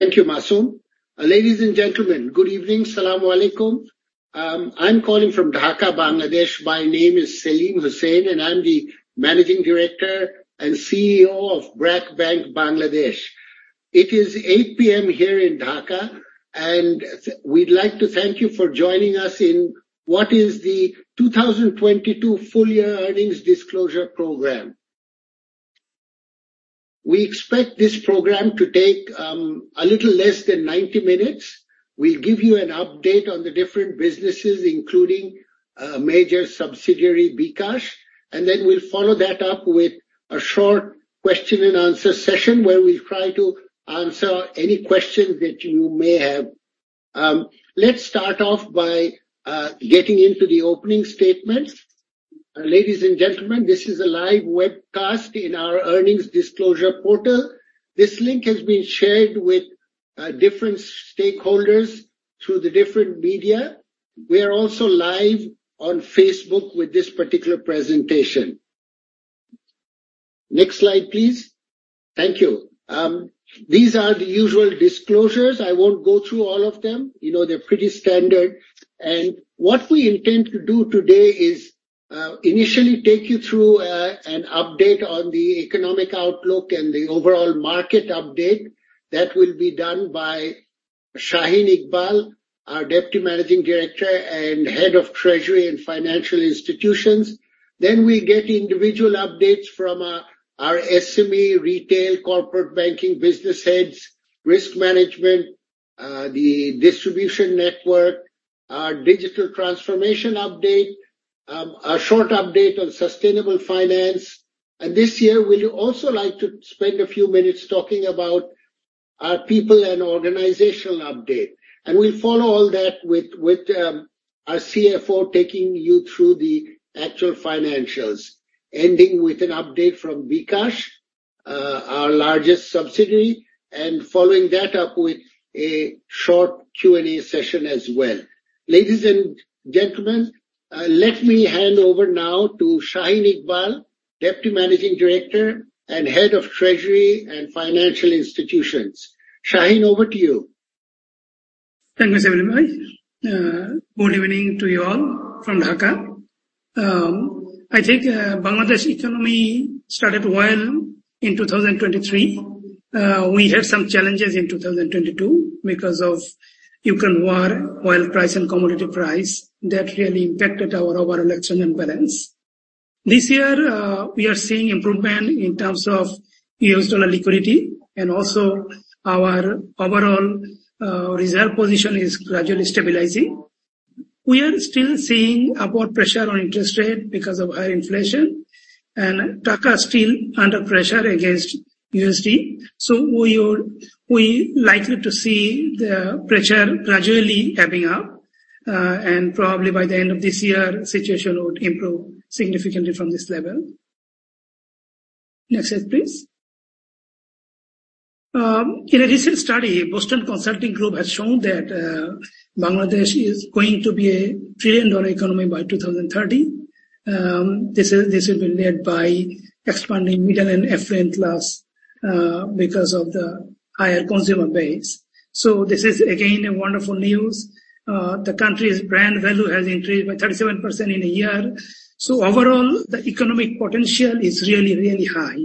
Thank you, Masum. Ladies and gentlemen, good evening. Assalamualaikum. I'm calling from Dhaka, Bangladesh. My name is Selim Hussain, and I'm the Managing Director and CEO of BRAC Bank Bangladesh. It is 8:00 P.M. here in Dhaka, and we'd like to thank you for joining us in what is the 2022 full year earnings disclosure program. We expect this program to take a little less than 90 minutes. We'll give you an update on the different businesses, including a major subsidiary, bKash. Then we'll follow that up with a short question and answer session where we'll try to answer any questions that you may have. Let's start off by getting into the opening statements. Ladies and gentlemen, this is a live webcast in our earnings disclosure portal. This link has been shared with different stakeholders through the different media. We are also live on Facebook with this particular presentation. Next slide, please. Thank you. These are the usual disclosures. I won't go through all of them. You know, they're pretty standard. What we intend to do today is initially take you through an update on the economic outlook and the overall market update. That will be done by Shaheen Iqbal, our Deputy Managing Director and Head of Treasury and Financial Institutions. Then we get individual updates from our SME, retail, corporate banking business heads, risk management, the distribution network, our digital transformation update, a short update on sustainable finance. This year we'll also like to spend a few minutes talking about our people and organizational update. We'll follow all that with our CFO taking you through the actual financials, ending with an update from bKash, our largest subsidiary, and following that up with a short Q&A session as well. Ladies and gentlemen, let me hand over now to Shaheen Iqbal, Deputy Managing Director and Head of Treasury and Financial Institutions. Shaheen, over to you. Thank you, Selim bhai. Good evening to you all from Dhaka. I think Bangladesh economy started well in 2023. We had some challenges in 2022 because of Ukraine war, oil price and commodity price. That really impacted our overall external balance. This year, we are seeing improvement in terms of US dollar liquidity, and also our overall reserve position is gradually stabilizing. We are still seeing upward pressure on interest rate because of high inflation. Dhaka is still under pressure against USD. We likely to see the pressure gradually ebbing out. Probably by the end of this year, situation would improve significantly from this level. Next slide, please. In a recent study, Boston Consulting Group has shown that Bangladesh is going to be a trillion-dollar economy by 2030. This will be led by expanding middle and affluent class because of the higher consumer base. This is again a wonderful news. The country's brand value has increased by 37% in a year. Overall, the economic potential is really, really high.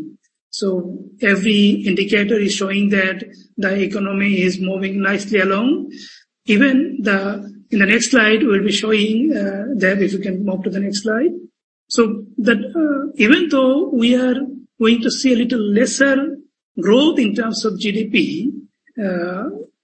Every indicator is showing that the economy is moving nicely along. In the next slide, we'll be showing that, if you can move to the next slide. Even though we are going to see a little lesser growth in terms of GDP,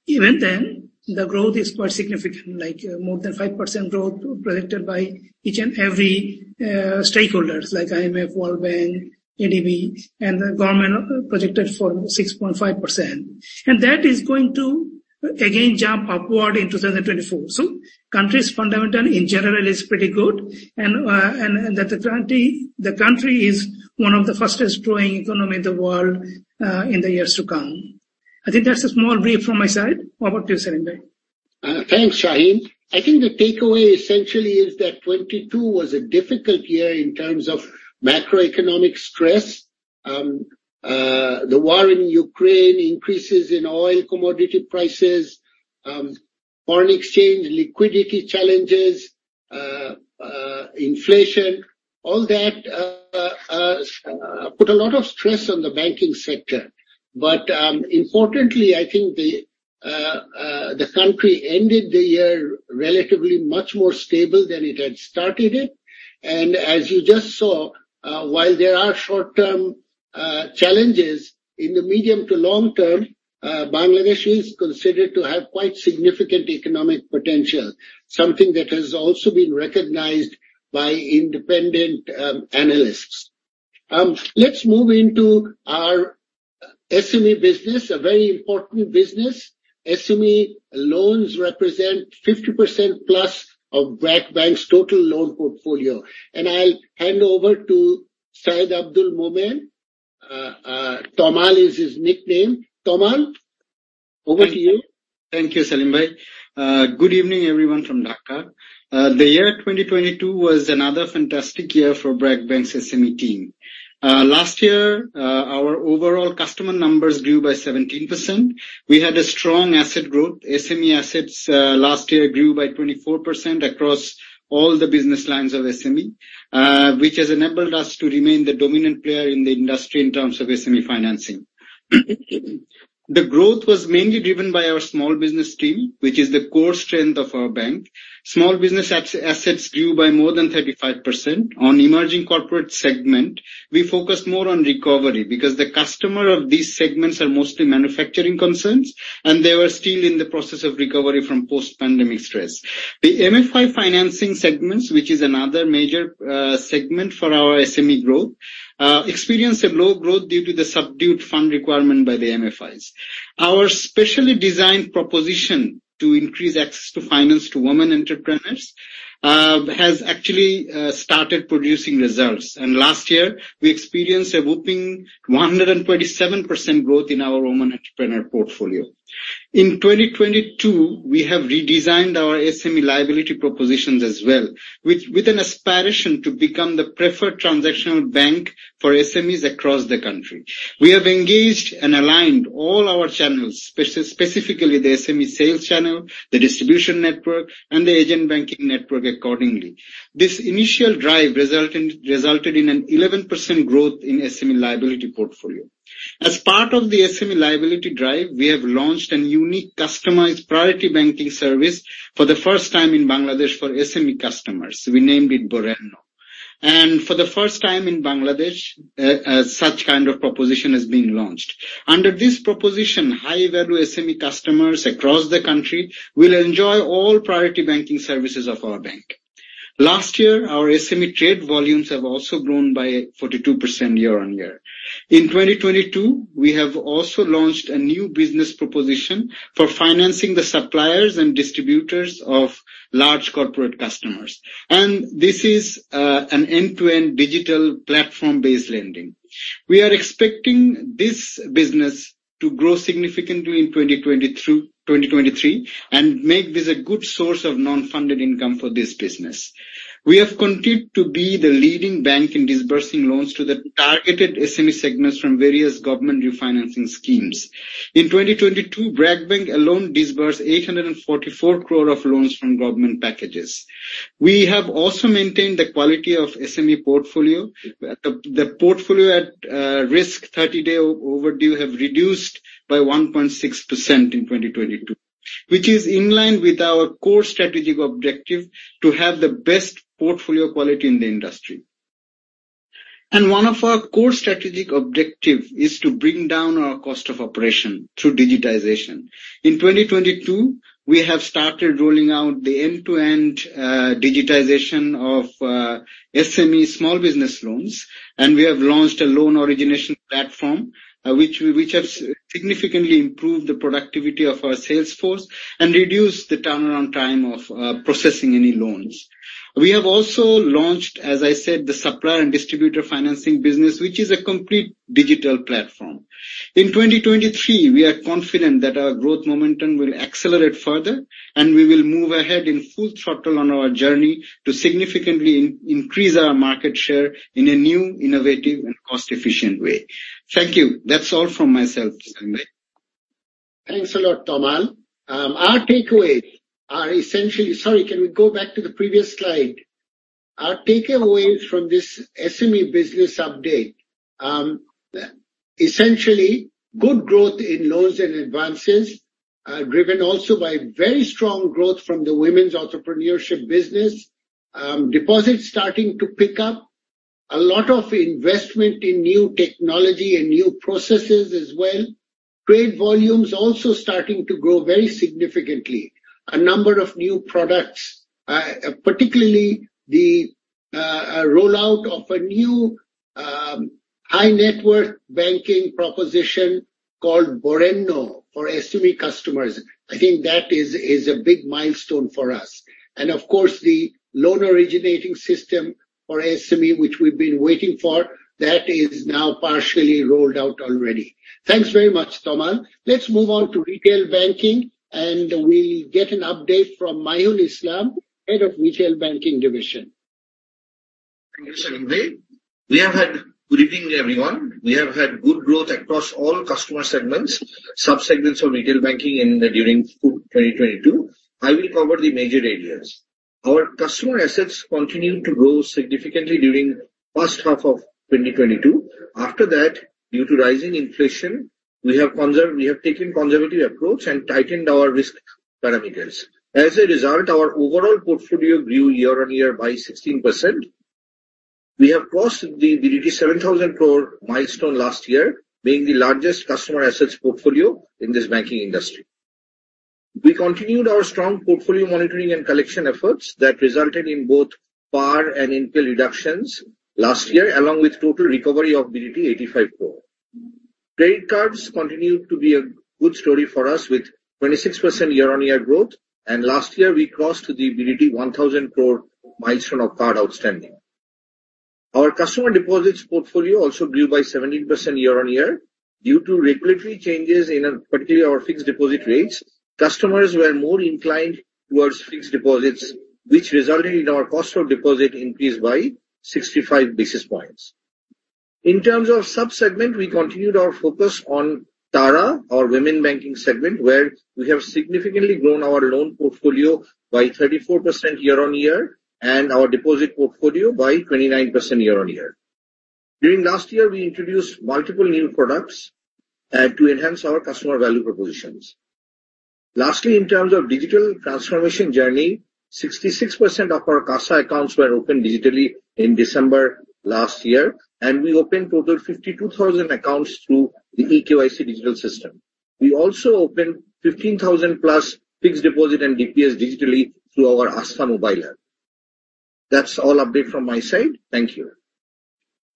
even then the growth is quite significant, like more than 5% growth projected by each and every stakeholders like IMF, World Bank, ADB, and the government projected for 6.5%. That is going to again jump upward in 2024. Country's fundamental in general is pretty good and that the country is one of the fastest growing economy in the world in the years to come. I think that's a small brief from my side. What about you, Selim bhai? Thanks, Shaheen. I think the takeaway essentially is that 22 was a difficult year in terms of macroeconomic stress. The war in Ukraine, increases in oil commodity prices, foreign exchange liquidity challenges, inflation, all that put a lot of stress on the banking sector. Importantly, I think the country ended the year relatively much more stable than it had started it. As you just saw, while there are short-term challenges, in the medium to long term, Bangladesh is considered to have quite significant economic potential, something that has also been recognized by independent analysts. Let's move into our SME business, a very important business. SME loans represent 50%+ of BRAC Bank's total loan portfolio. I'll hand over to Syed Abdul Momen. Tomal is his nickname. Tomal, over to you. Thank you, Selim bhai. Good evening, everyone from Dhaka. The year 2022 was another fantastic year for BRAC Bank's SME team. Last year, our overall customer numbers grew by 17%. We had a strong asset growth. SME assets, last year grew by 24% across all the business lines of SME, which has enabled us to remain the dominant player in the industry in terms of SME financing. The growth was mainly driven by our small business team, which is the core strength of our bank. Small business assets grew by more than 35%. On emerging corporate segment, we focused more on recovery because the customer of these segments are mostly manufacturing concerns, and they were still in the process of recovery from post-pandemic stress. The MFI financing segments, which is another major segment for our SME growth, experienced a low growth due to the subdued fund requirement by the MFIs. Our specially designed proposition to increase access to finance to women entrepreneurs, has actually started producing results. Last year, we experienced a whooping 127% growth in our women entrepreneur portfolio. In 2022, we have redesigned our SME liability propositions as well, with an aspiration to become the preferred transactional bank for SMEs across the country. We have engaged and aligned all our channels, specifically the SME sales channel, the distribution network, and the agent banking network accordingly. This initial drive resulted in an 11% growth in SME liability portfolio. As part of the SME liability drive, we have launched an unique customized priority banking service for the first time in Bangladesh for SME customers. We named it Boreno. For the first time in Bangladesh, such kind of proposition is being launched. Under this proposition, high-value SME customers across the country will enjoy all priority banking services of our bank. Last year, our SME trade volumes have also grown by 42% year-on-year. In 2022, we have also launched a new business proposition for financing the suppliers and distributors of large corporate customers. This is an end-to-end digital platform-based lending. We are expecting this business to grow significantly in 2023, and make this a good source of non-funded income for this business. We have continued to be the leading bank in disbursing loans to the targeted SME segments from various government refinancing schemes. In 2022, BRAC Bank alone disbursed BDT 844 crore of loans from government packages. We have also maintained the quality of SME portfolio. The portfolio at risk 30-day overdue have reduced by 1.6% in 2022, which is in line with our core strategic objective to have the best portfolio quality in the industry. One of our core strategic objective is to bring down our cost of operation through digitization. In 2022, we have started rolling out the end-to-end digitization of SME small business loans, and we have launched a loan origination platform which has significantly improved the productivity of our sales force and reduced the turnaround time of processing any loans. We have also launched, as I said, the supplier and distributor financing business, which is a complete digital platform. In 2023, we are confident that our growth momentum will accelerate further, and we will move ahead in full throttle on our journey to significantly increase our market share in a new, innovative, and cost-efficient way. Thank you. That's all from myself, Selim bhai. Thanks a lot, Tomal. Our takeaways from this SME business update, essentially good growth in loans and advances, driven also by very strong growth from the women's entrepreneurship business. Deposits starting to pick up. A lot of investment in new technology and new processes as well. Trade volumes also starting to grow very significantly. A number of new products, particularly the rollout of a new high net worth banking proposition called Boreno for SME customers. I think that is a big milestone for us. Of course, the loan originating system for SME which we've been waiting for, that is now partially rolled out already. Thanks very much, Tomal. Let's move on to retail banking, and we'll get an update from Mahiul Islam, Head of Retail Banking Division. Thank you, Selim bhai. Good evening, everyone. We have had good growth across all customer segments, sub-segments of retail banking during 2022. I will cover the major areas. Our customer assets continued to grow significantly during first half of 2022. After that, due to rising inflation, we have taken conservative approach and tightened our risk parameters. Our overall portfolio grew year-over-year by 16%. We have crossed the BDT 7,000 crore milestone last year, being the largest customer assets portfolio in this banking industry. We continued our strong portfolio monitoring and collection efforts that resulted in both PAR and impaired reductions last year, along with total recovery of BDT 85 crore. Credit cards continued to be a good story for us with 26% year-on-year growth. Last year we crossed the BDT 1,000 crore milestone of card outstanding. Our customer deposits portfolio also grew by 17% year-on-year due to regulatory changes in particularly our fixed deposit rates. Customers were more inclined towards fixed deposits, which resulted in our cost of deposit increased by 65 basis points. In terms of sub-segment, we continued our focus on TARA, our women banking segment, where we have significantly grown our loan portfolio by 34% year-on-year and our deposit portfolio by 29% year-on-year. During last year, we introduced multiple new products to enhance our customer value propositions. Lastly, in terms of digital transformation journey, 66% of our CASA accounts were opened digitally in December last year. We opened total 52,000 accounts through the eKYC digital system. We also opened 15,000+ fixed deposit and DPS digitally through our Astha mobile app. That's all update from my side. Thank you.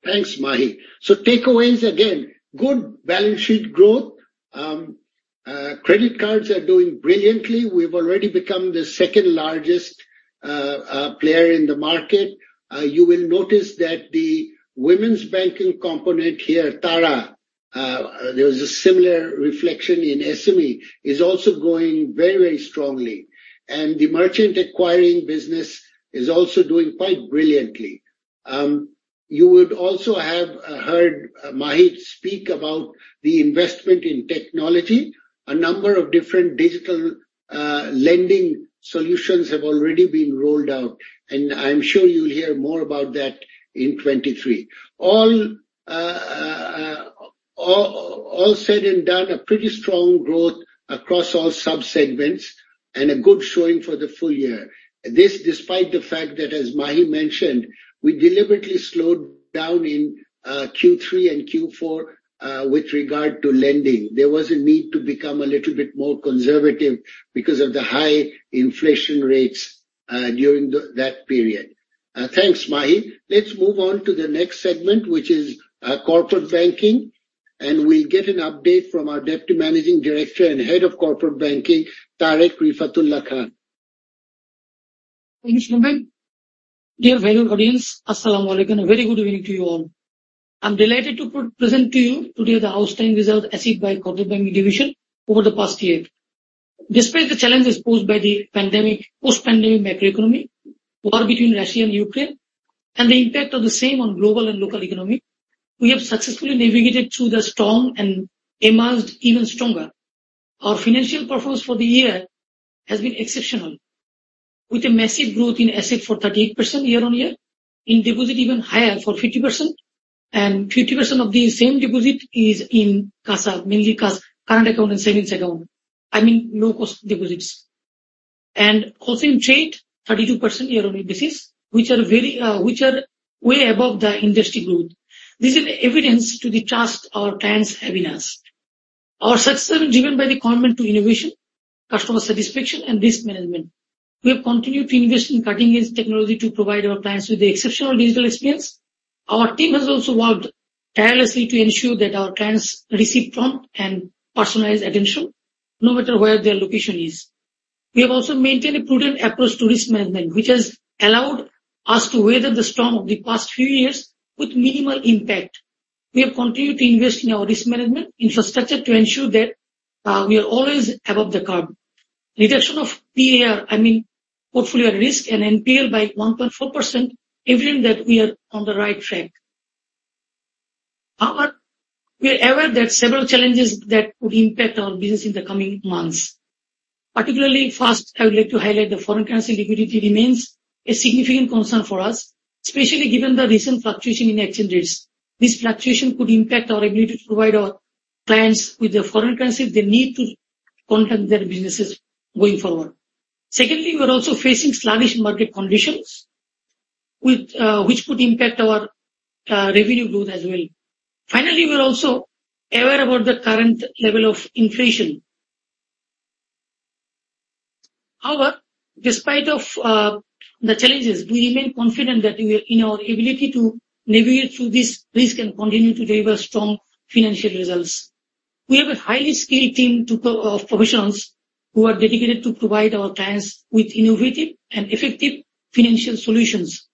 Thanks, Mahi. Takeaways again. Good balance sheet growth. credit cards are doing brilliantly. We've already become the second-largest player in the market. You will notice that the women's banking component here, TARA, there's a similar reflection in SME, is also growing very, very strongly. The merchant acquiring business is also doing quite brilliantly. You would also have heard Mahi speak about the investment in technology. A number of different digital lending solutions have already been rolled out, and I'm sure you'll hear more about that in 23. All said and done, a pretty strong growth across all sub-segments and a good showing for the full year. This despite the fact that, as Mahi mentioned, we deliberately slowed down in Q3 and Q4 with regard to lending. There was a need to become a little bit more conservative because of the high inflation rates during that period. Thanks, Mahi. Let's move on to the next segment, which is corporate banking. We'll get an update from our Deputy Managing Director and Head of Corporate Banking, Tareq Rifatullah Khan. Thank you, Sumit. Dear valued audience, a very good evening to you all. I'm delighted to present to you today the outstanding results achieved by corporate banking division over the past year. Despite the challenges posed by the pandemic, post-pandemic macroeconomy, war between Russia and Ukraine, and the impact of the same on global and local economy, we have successfully navigated through the storm and emerged even stronger. Our financial performance for the year has been exceptional, with a massive growth in asset for 38% year-on-year. In deposit even higher for 50%, and 50% of the same deposit is in CASA, mainly current account and savings account. I mean, low cost deposits. Also in trade, 32% year-on-year basis, which are very, which are way above the industry growth. This is evidence to the trust our clients have in us. Our success are driven by the commitment to innovation, customer satisfaction, and risk management. We have continued to invest in cutting-edge technology to provide our clients with the exceptional digital experience. Our team has also worked tirelessly to ensure that our clients receive prompt and personalized attention no matter where their location is. We have also maintained a prudent approach to risk management, which has allowed us to weather the storm of the past few years with minimal impact. We have continued to invest in our risk management infrastructure to ensure that we are always above the curve. Reduction of PAR, I mean portfolio at risk and NPL by 1.4%, evident that we are on the right track. We are aware there are several challenges that could impact our business in the coming months. Particularly first, I would like to highlight the foreign currency liquidity remains a significant concern for us, especially given the recent fluctuation in exchange rates. This fluctuation could impact our ability to provide our clients with the foreign currency if they need to conduct their businesses going forward. Secondly, we're also facing sluggish market conditions with which could impact our revenue growth as well. Finally, we're also aware about the current level of inflation. However, despite of the challenges, we remain confident that we are in our ability to navigate through this risk and continue to deliver strong financial results. We have a highly skilled team of professionals who are dedicated to provide our clients with innovative and effective financial solutions.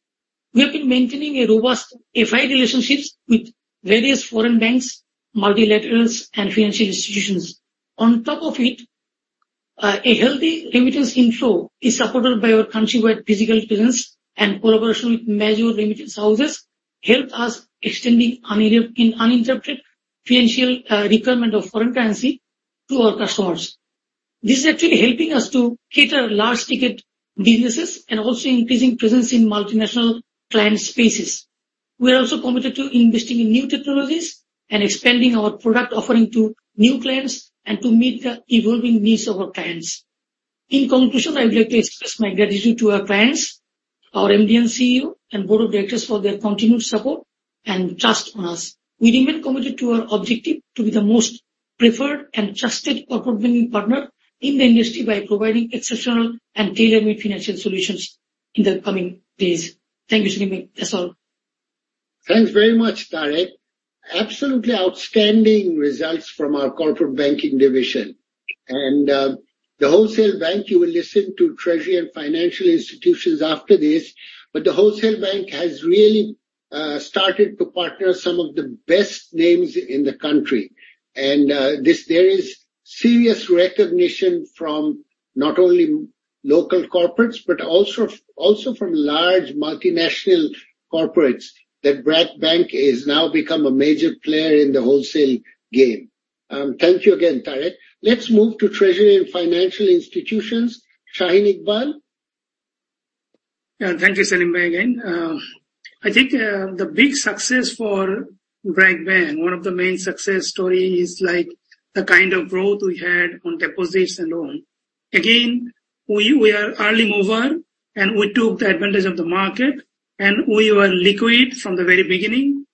We have been maintaining a robust FI relationships with various foreign banks, multilaterals, and financial institutions. On top of it, a healthy remittance inflow is supported by our countrywide physical presence and collaboration with major remittance houses help us extending uninterrupted financial requirement of foreign currency to our customers. This is actually helping us to cater large ticket businesses and also increasing presence in multinational client spaces. We are also committed to investing in new technologies and expanding our product offering to new clients and to meet the evolving needs of our clients. In conclusion, I would like to express my gratitude to our clients, our MD&CEO, and board of directors for their continued support and trust on us. We remain committed to our objective to be the most preferred and trusted corporate banking partner in the industry by providing exceptional and tailor-made financial solutions in the coming days. Thank you, Sumit. That's all. Thanks very much, Tareq. Absolutely outstanding results from our corporate banking division. And the wholesale bank, you will listen to treasury and financial institutions after this. The wholesale bank has really started to partner some of the best names in the country. There is serious recognition from not only local corporates, but also from large multinational corporates that BRAC Bank is now become a major player in the wholesale game. Thank you again, Tareq. Let's move to treasury and financial institutions. Shaheen Iqbal. Thank you, Selim bhai, again. I think the big success for BRAC Bank, one of the main success story is, like, the kind of growth we had on deposits and loan. We are early mover, and we took the advantage of the market, and we were liquid from the very beginning,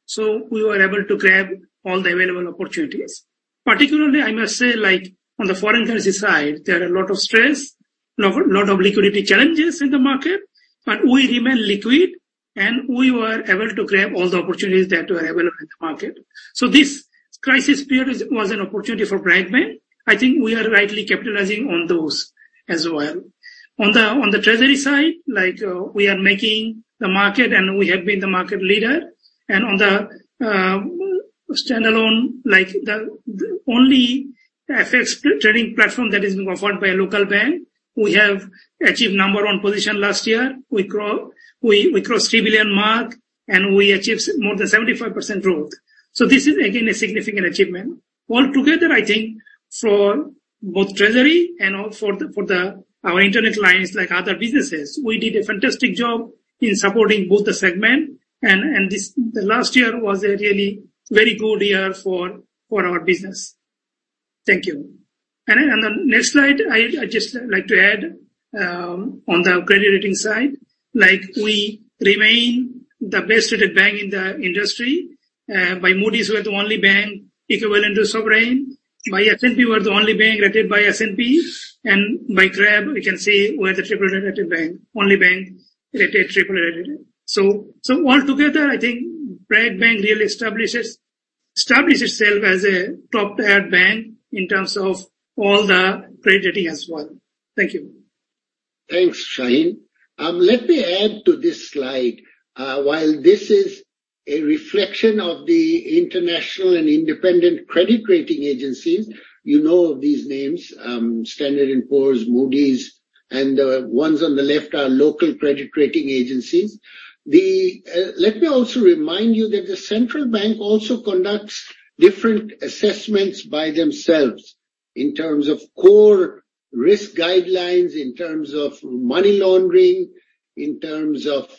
we were able to grab all the available opportunities. Particularly, I must say, like, on the foreign currency side, there are a lot of stress, lot of liquidity challenges in the market. We remain liquid, and we were able to grab all the opportunities that were available in the market. This crisis period was an opportunity for BRAC Bank. I think we are rightly capitalizing on those as well. On the treasury side, like, we are making the market, and we have been the market leader. On the standalone, like, the only FX trading platform that is being offered by a local bank, we have achieved number one position last year. We crossed 3 billion mark, and we achieved more than 75% growth. This is again a significant achievement. Altogether, I think, for both treasury and also for our internet lines like other businesses, we did a fantastic job in supporting both the segment, and this, the last year was a really very good year for our business. Thank you. On the next slide, I just like to add, on the credit rating side, like, we remain the best-rated bank in the industry. By Moody's, we are the only bank equivalent to sovereign. By S&P, we're the only bank rated by S&P. By CRAB, you can see we're the AAA-rated bank, only bank rated AAA rating. All together, I think BRAC Bank really established itself as a top-tier bank in terms of all the credit rating as well. Thank you. Thanks, Shaheen. Let me add to this slide. While this is a reflection of the international and independent credit rating agencies, you know these names, Standard & Poor's, Moody's, and ones on the left are local credit rating agencies. Let me also remind you that the central bank also conducts different assessments by themselves in terms of core risk guidelines, in terms of money laundering, in terms of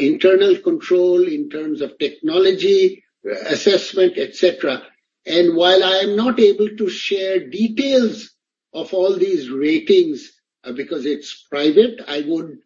internal control, in terms of technology assessment, et cetera. While I am not able to share details of all these ratings, because it's private, I would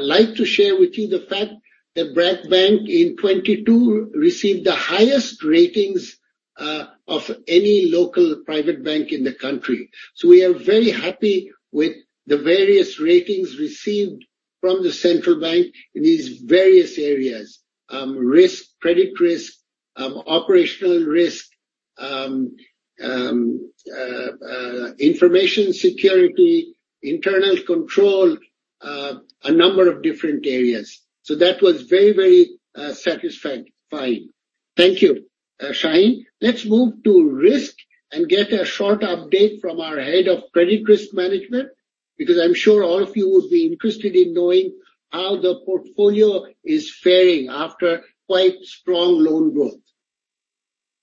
like to share with you the fact that BRAC Bank in 2022 received the highest ratings of any local private bank in the country. We are very happy with the various ratings received from the central bank in these various areas, risk, credit risk, operational risk, information security, internal control, a number of different areas. That was very, very satisfying. Thank you, Shaheen. Let's move to risk and get a short update from our head of credit risk management, because I'm sure all of you would be interested in knowing how the portfolio is faring after quite strong loan growth.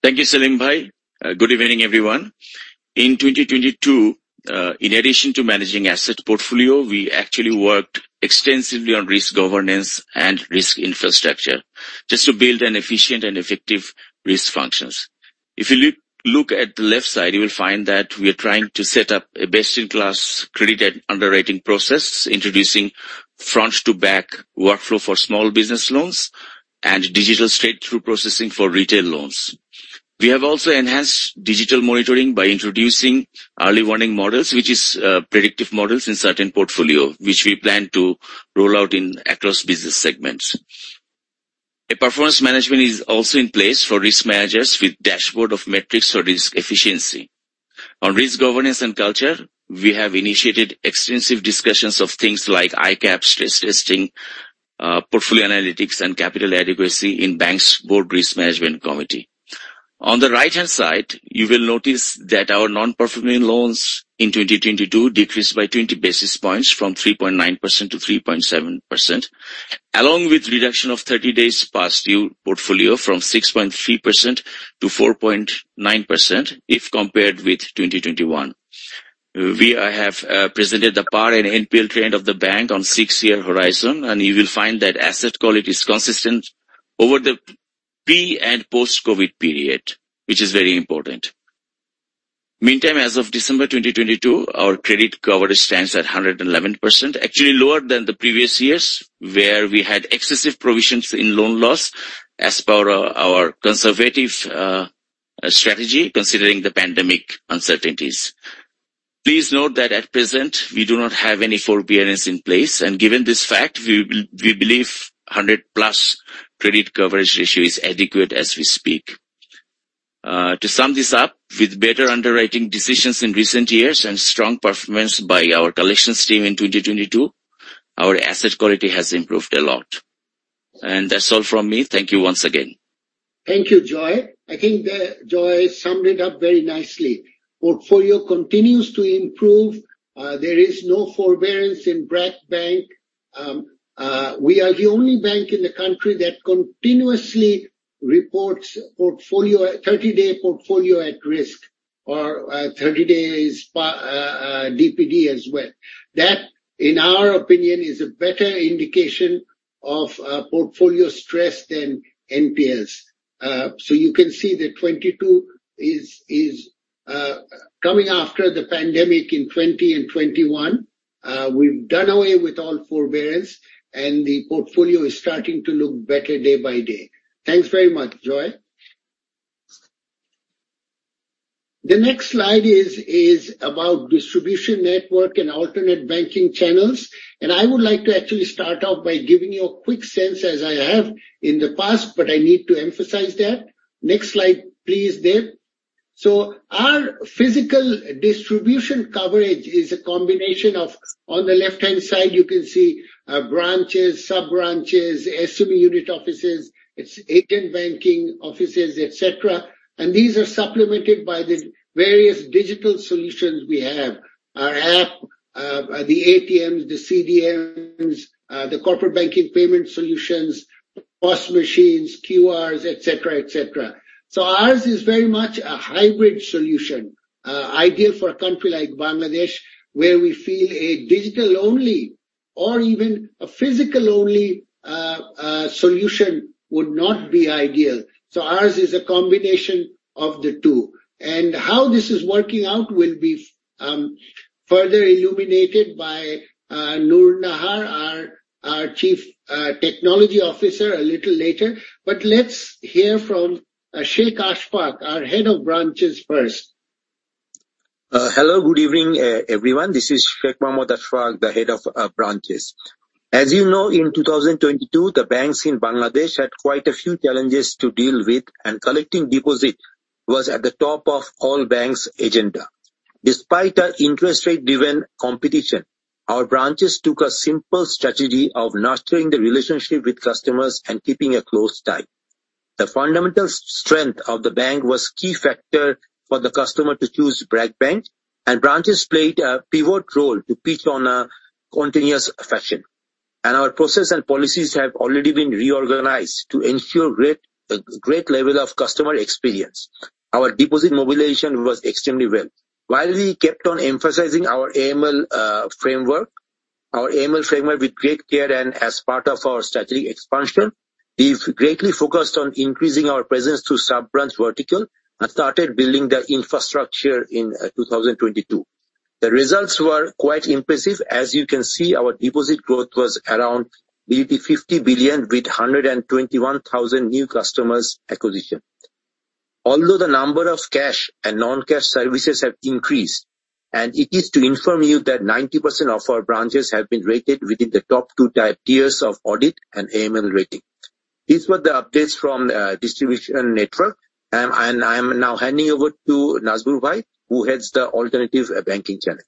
Thank you, Selim bhai. Good evening, everyone. In 2022, in addition to managing asset portfolio, we actually worked extensively on risk governance and risk infrastructure just to build an efficient and effective risk functions. If you look at the left side, you will find that we are trying to set up a best-in-class credit underwriting process, introducing front-to-back workflow for small business loans and digital straight-through processing for retail loans. We have also enhanced digital monitoring by introducing early warning models, which is predictive models in certain portfolio, which we plan to roll out in across business segments. A performance management is also in place for risk managers with dashboard of metrics for risk efficiency. On risk governance and culture, we have initiated extensive discussions of things like ICAAP stress testing, portfolio analytics and capital adequacy in bank's board risk management committee. On the right-hand side, you will notice that our non-performing loans in 2022 decreased by 20 basis points from 3.9-3.7%, along with reduction of 30 days past due portfolio from 6.3-4.9% if compared with 2021. We have presented the PAR and NPL trend of the bank on 6-year horizon, you will find that asset quality is consistent over the pre- and post-COVID period, which is very important. Meantime, as of December 2022, our credit coverage stands at 111%, actually lower than the previous years, where we had excessive provisions in loan loss as per our conservative strategy considering the pandemic uncertainties. Please note that at present we do not have any forbearance in place. Given this fact, we believe 100+ credit coverage ratio is adequate as we speak. To sum this up, with better underwriting decisions in recent years and strong performance by our collections team in 2022, our asset quality has improved a lot. That's all from me. Thank you once again. Thank you, Joy. I think Joy summed it up very nicely. Portfolio continues to improve. There is no forbearance in BRAC Bank. We are the only bank in the country that continuously reports portfolio, 30-day portfolio at risk or 30-day DPD as well. That, in our opinion, is a better indication of portfolio stress than NPLs. You can see that 22 is coming after the pandemic in 20 and 21. We've done away with all forbearance, the portfolio is starting to look better day by day. Thanks very much, Joy. The next slide is about distribution network and alternate banking channels. I would like to actually start off by giving you a quick sense as I have in the past, but I need to emphasize that. Next slide, please, Dab. Our physical distribution coverage is a combination of, on the left-hand side, you can see, branches, sub-branches, SME unit offices, it's agent banking offices, et cetera. These are supplemented by the various digital solutions we have. Our app, the ATMs, the CDMs, the corporate banking payment solutions, POS machines, QRs, et cetera, et cetera. Ours is very much a hybrid solution, ideal for a country like Bangladesh, where we feel a digital-only or even a physical-only solution would not be ideal. Ours is a combination of the two. How this is working out will be further illuminated by Noor Nahar, our Chief Technology Officer, a little later. Let's hear from Sheikh Ashfaq, our Head of Branches first. Hello, good evening, everyone. This is Sheikh Mohammad Ashfaque, the Head of Branches. As you know, in 2022, the banks in Bangladesh had quite a few challenges to deal with, and collecting deposits was at the top of all banks' agenda. Despite a interest rate-driven competition, our branches took a simple strategy of nurturing the relationship with customers and keeping a close tie. The fundamental strength of the bank was key factor for the customer to choose BRAC Bank, and branches played a pivot role to pitch on a continuous fashion. Our process and policies have already been reorganized to ensure great level of customer experience. Our deposit mobilization was extremely well. While we kept on emphasizing our AML framework, our AML framework with great care and as part of our strategic expansion, we've greatly focused on increasing our presence through sub-branch vertical and started building the infrastructure in 2022. The results were quite impressive. As you can see, our deposit growth was around BDT 50 billion with 121,000 new customers acquisition. Although the number of cash and non-cash services have increased, and it is to inform you that 90% of our branches have been rated within the top 2 tiers of audit and AML rating. These were the updates from distribution network. I'm now handing over to Nazmur Bhai, who heads the alternative banking channel.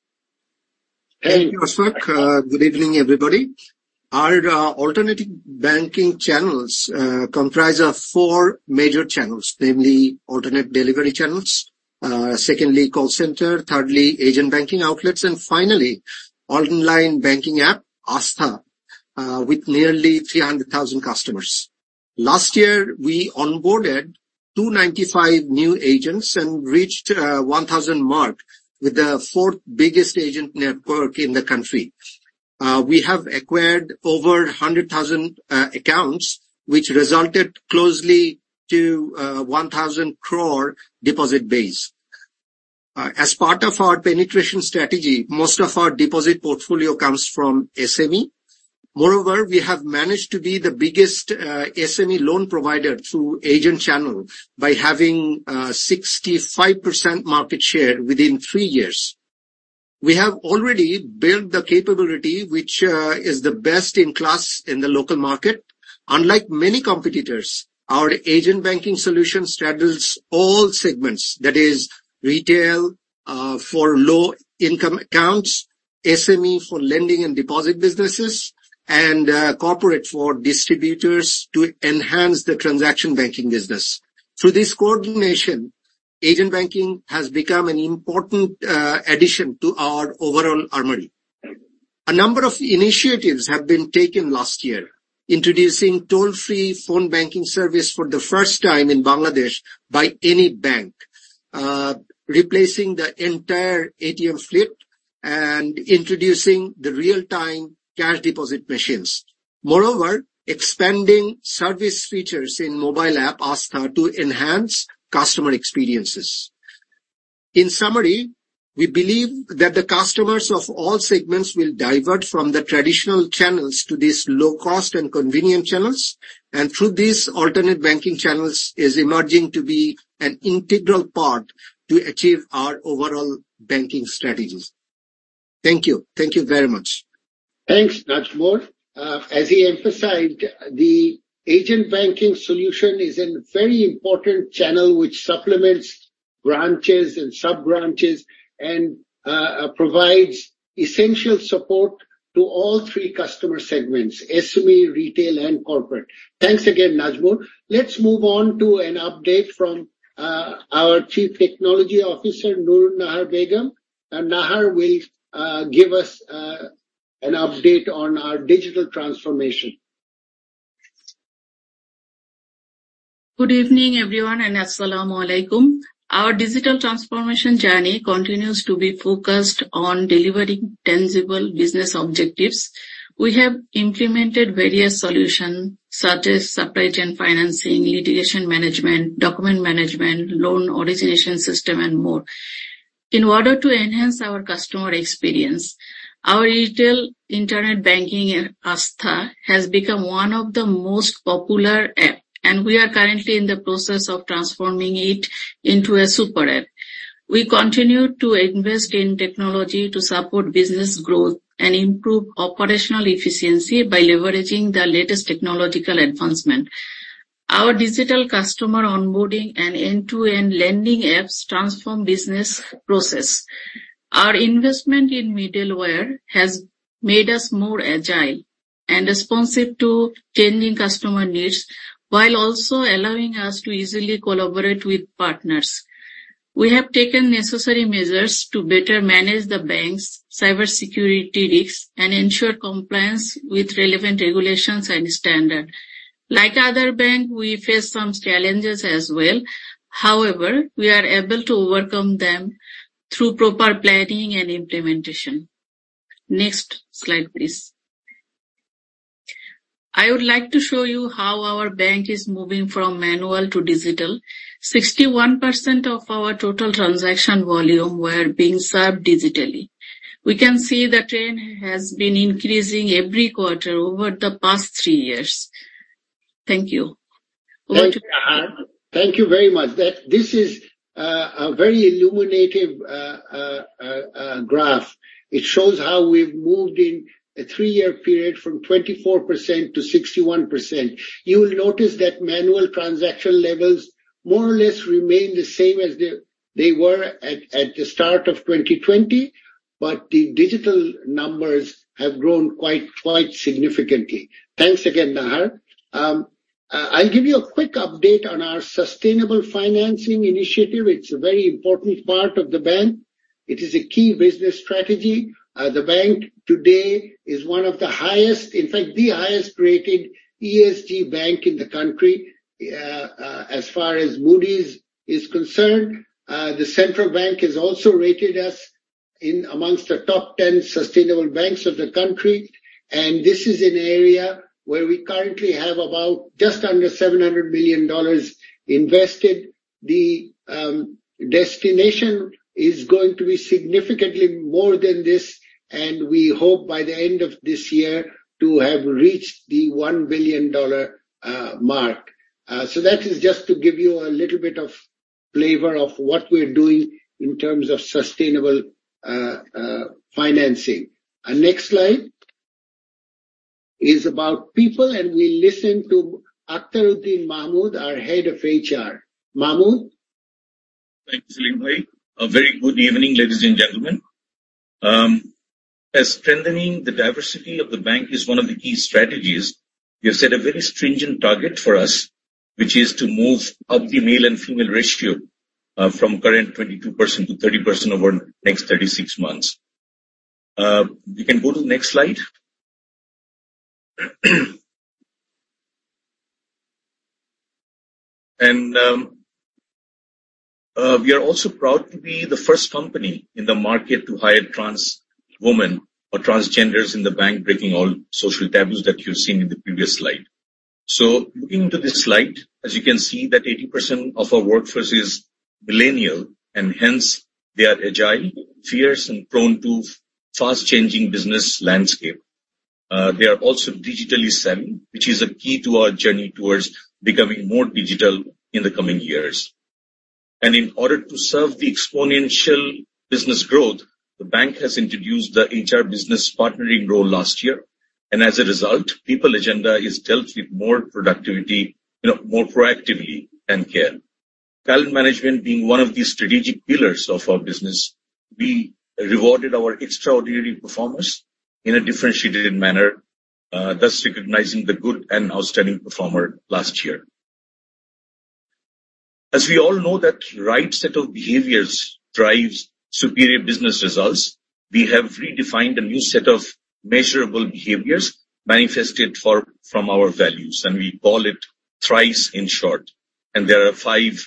Thank you, Ashfaq. Good evening, everybody. Our alternative banking channels comprise of four major channels, namely alternate delivery channels, secondly, call center, thirdly, agent banking outlets, and finally, online banking app, Astha, with nearly 300,000 customers. Last year, we onboarded 295 new agents and reached 1,000 mark with the 4th biggest agent network in the country. We have acquired over 100,000 accounts which resulted closely to BDT 1,000 crore deposit base. As part of our penetration strategy, most of our deposit portfolio comes from SME. We have managed to be the biggest SME loan provider through agent channel by having 65% market share within three years. We have already built the capability which is the best in class in the local market. Unlike many competitors, our agent banking solution straddles all segments, that is retail, for low-income accounts, SME for lending and deposit businesses, and corporate for distributors to enhance the transaction banking business. Through this coordination, agent banking has become an important addition to our overall armory. A number of initiatives have been taken last year, introducing toll-free phone banking service for the first time in Bangladesh by any bank, replacing the entire ATM fleet and introducing the real-time cash deposit machines. Expanding service features in mobile app Astha to enhance customer experiences. In summary, we believe that the customers of all segments will divert from the traditional channels to these low-cost and convenient channels, through these alternate banking channels is emerging to be an integral part to achieve our overall banking strategies. Thank you. Thank you very much. Thanks, Nazmur. As he emphasized, the agent banking solution is a very important channel which supplements branches and sub-branches and provides essential support to all three customer segments, SME, retail, and corporate. Thanks again, Nazmur. Let's move on to an update from our Chief Technology Officer, Nur Nahar Begum. Nahar will give us an update on our digital transformation. Good evening, everyone, and Assalamualaikum. Our digital transformation journey continues to be focused on delivering tangible business objectives. We have implemented various solutions such as supply chain financing, litigation management, document management, loan origination system and more. In order to enhance our customer experience, our retail internet banking, Astha, has become one of the most popular app, we are currently in the process of transforming it into a super app. We continue to invest in technology to support business growth and improve operational efficiency by leveraging the latest technological advancement. Our digital customer onboarding and end-to-end lending apps transform business process. Our investment in middleware has made us more agile and responsive to changing customer needs, while also allowing us to easily collaborate with partners. We have taken necessary measures to better manage the bank's cybersecurity risks and ensure compliance with relevant regulations and standard. Like other bank, we face some challenges as well. However, we are able to overcome them through proper planning and implementation. Next slide, please. I would like to show you how our bank is moving from manual to digital. 61% of our total transaction volume were being served digitally. We can see the trend has been increasing every quarter over the past three years. Thank you. Thank you, Nahar. Thank you very much. This is a very illuminative graph. It shows how we've moved in a three-year period from 24-61%. You'll notice that manual transaction levels more or less remain the same as they were at the start of 2020. The digital numbers have grown quite significantly. Thanks again, Nahar. I'll give you a quick update on our sustainable financing initiative. It's a very important part of the bank. It is a key business strategy. The bank today is one of the highest, in fact, the highest rated ESG bank in the country, as far as Moody's is concerned. The central bank has also rated us in amongst the top 10 sustainable banks of the country. This is an area where we currently have about just under $700 million invested. The destination is going to be significantly more than this. We hope by the end of this year to have reached the $1 billion mark. That is just to give you a little bit of flavor of what we're doing in terms of sustainable financing. Our next slide is about people. We listen to Akhteruddin Mahmood, our Head of HR. Mahmood? Thank you, Selim bhai. A very good evening, ladies and gentlemen. As strengthening the diversity of the bank is one of the key strategies, you set a very stringent target for us, which is to move up the male and female ratio, from current 22-30% over next 36 months. We can go to the next slide. We are also proud to be the first company in the market to hire trans women or transgenders in the bank, breaking all social taboos that you've seen in the previous slide. Looking to this slide, as you can see that 80% of our workforce is millennial, and hence they are agile, fierce, and prone to fast-changing business landscape. They are also digitally savvy, which is a key to our journey towards becoming more digital in the coming years. In order to serve the exponential business growth, the bank has introduced the HR business partnering role last year, and as a result, people agenda is dealt with more productivity, you know, more proactively and care. Talent management being one of the strategic pillars of our business, we rewarded our extraordinary performers in a differentiated manner, thus recognizing the good and outstanding performer last year. As we all know that right set of behaviors drives superior business results, we have redefined a new set of measurable behaviors manifested from our values, and we call it THRICE in short, and there are five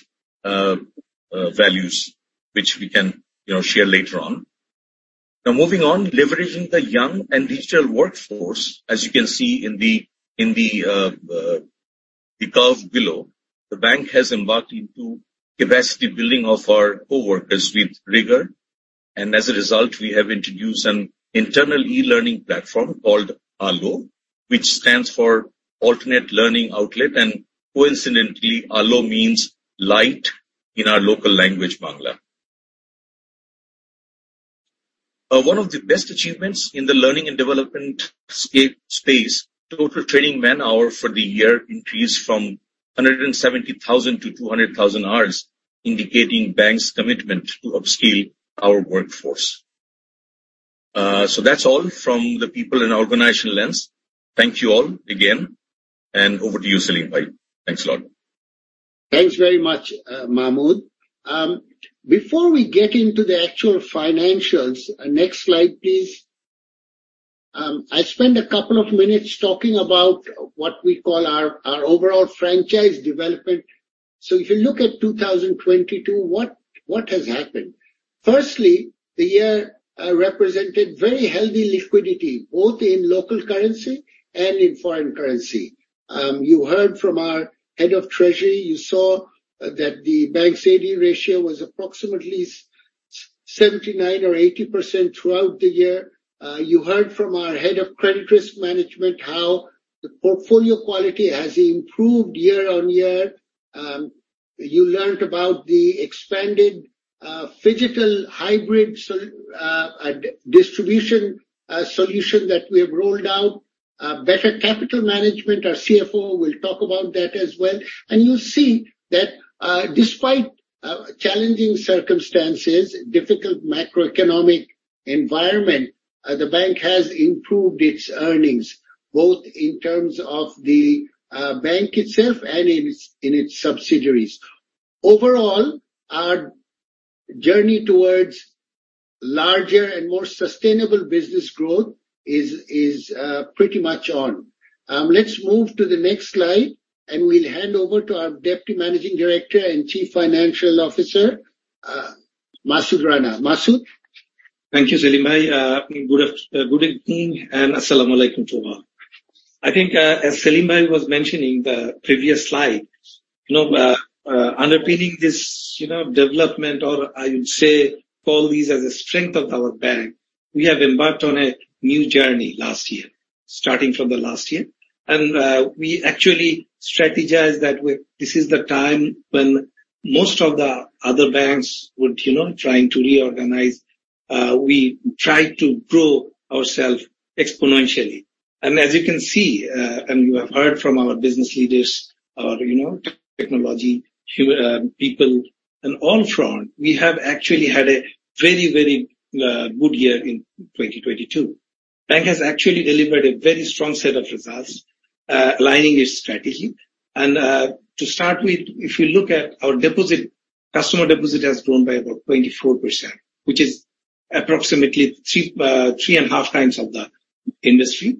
values which we can, you know, share later on. Moving on, leveraging the young and digital workforce, as you can see in the curve below, the bank has embarked into capacity building of our coworkers with rigor. As a result, we have introduced an internal e-learning platform called ALO, which stands for Alternate Learning Outlet. Coincidentally, alo means light... In our local language, Bangla. One of the best achievements in the learning and development space, total training man-hour for the year increased from 170,000 to 200,000 hours, indicating bank's commitment to upskill our workforce. That's all from the people and organizational lens. Thank you all again, over to you, Selim bhai. Thanks a lot. Thanks very much, Masud. Before we get into the actual financials, next slide, please. I spend a couple of minutes talking about what we call our overall franchise development. If you look at 2022, what has happened? Firstly, the year represented very healthy liquidity, both in local currency and in foreign currency. You heard from our head of treasury, you saw that the bank's AD ratio was approximately 79% or 80% throughout the year. You heard from our head of credit risk management how the portfolio quality has improved year on year. You learned about the expanded phygital hybrid distribution solution that we have rolled out. Better capital management. Our CFO will talk about that as well. You see that, despite challenging circumstances, difficult macroeconomic environment, the bank has improved its earnings, both in terms of the bank itself and in its subsidiaries. Overall, our journey towards larger and more sustainable business growth is pretty much on. Let's move to the next slide, and we'll hand over to our Deputy Managing Director and Chief Financial Officer, Masud Rana. Masud. Thank you, Selim bhai. Good evening, and assalamualaikum to all. I think, as Selim bhai was mentioning in the previous slide, you know, underpinning this, you know, development or I would say call these as a strength of our bank, we have embarked on a new journey last year, starting from the last year. We actually strategized that this is the time when most of the other banks would, you know, trying to reorganize, we tried to grow ourself exponentially. As you can see, and you have heard from our business leaders, our, you know, technology, people and all front, we have actually had a very good year in 2022. Bank has actually delivered a very strong set of results, aligning its strategy. To start with, if you look at our deposit, customer deposit has grown by about 24%, which is approximately three, three and half times of the industry.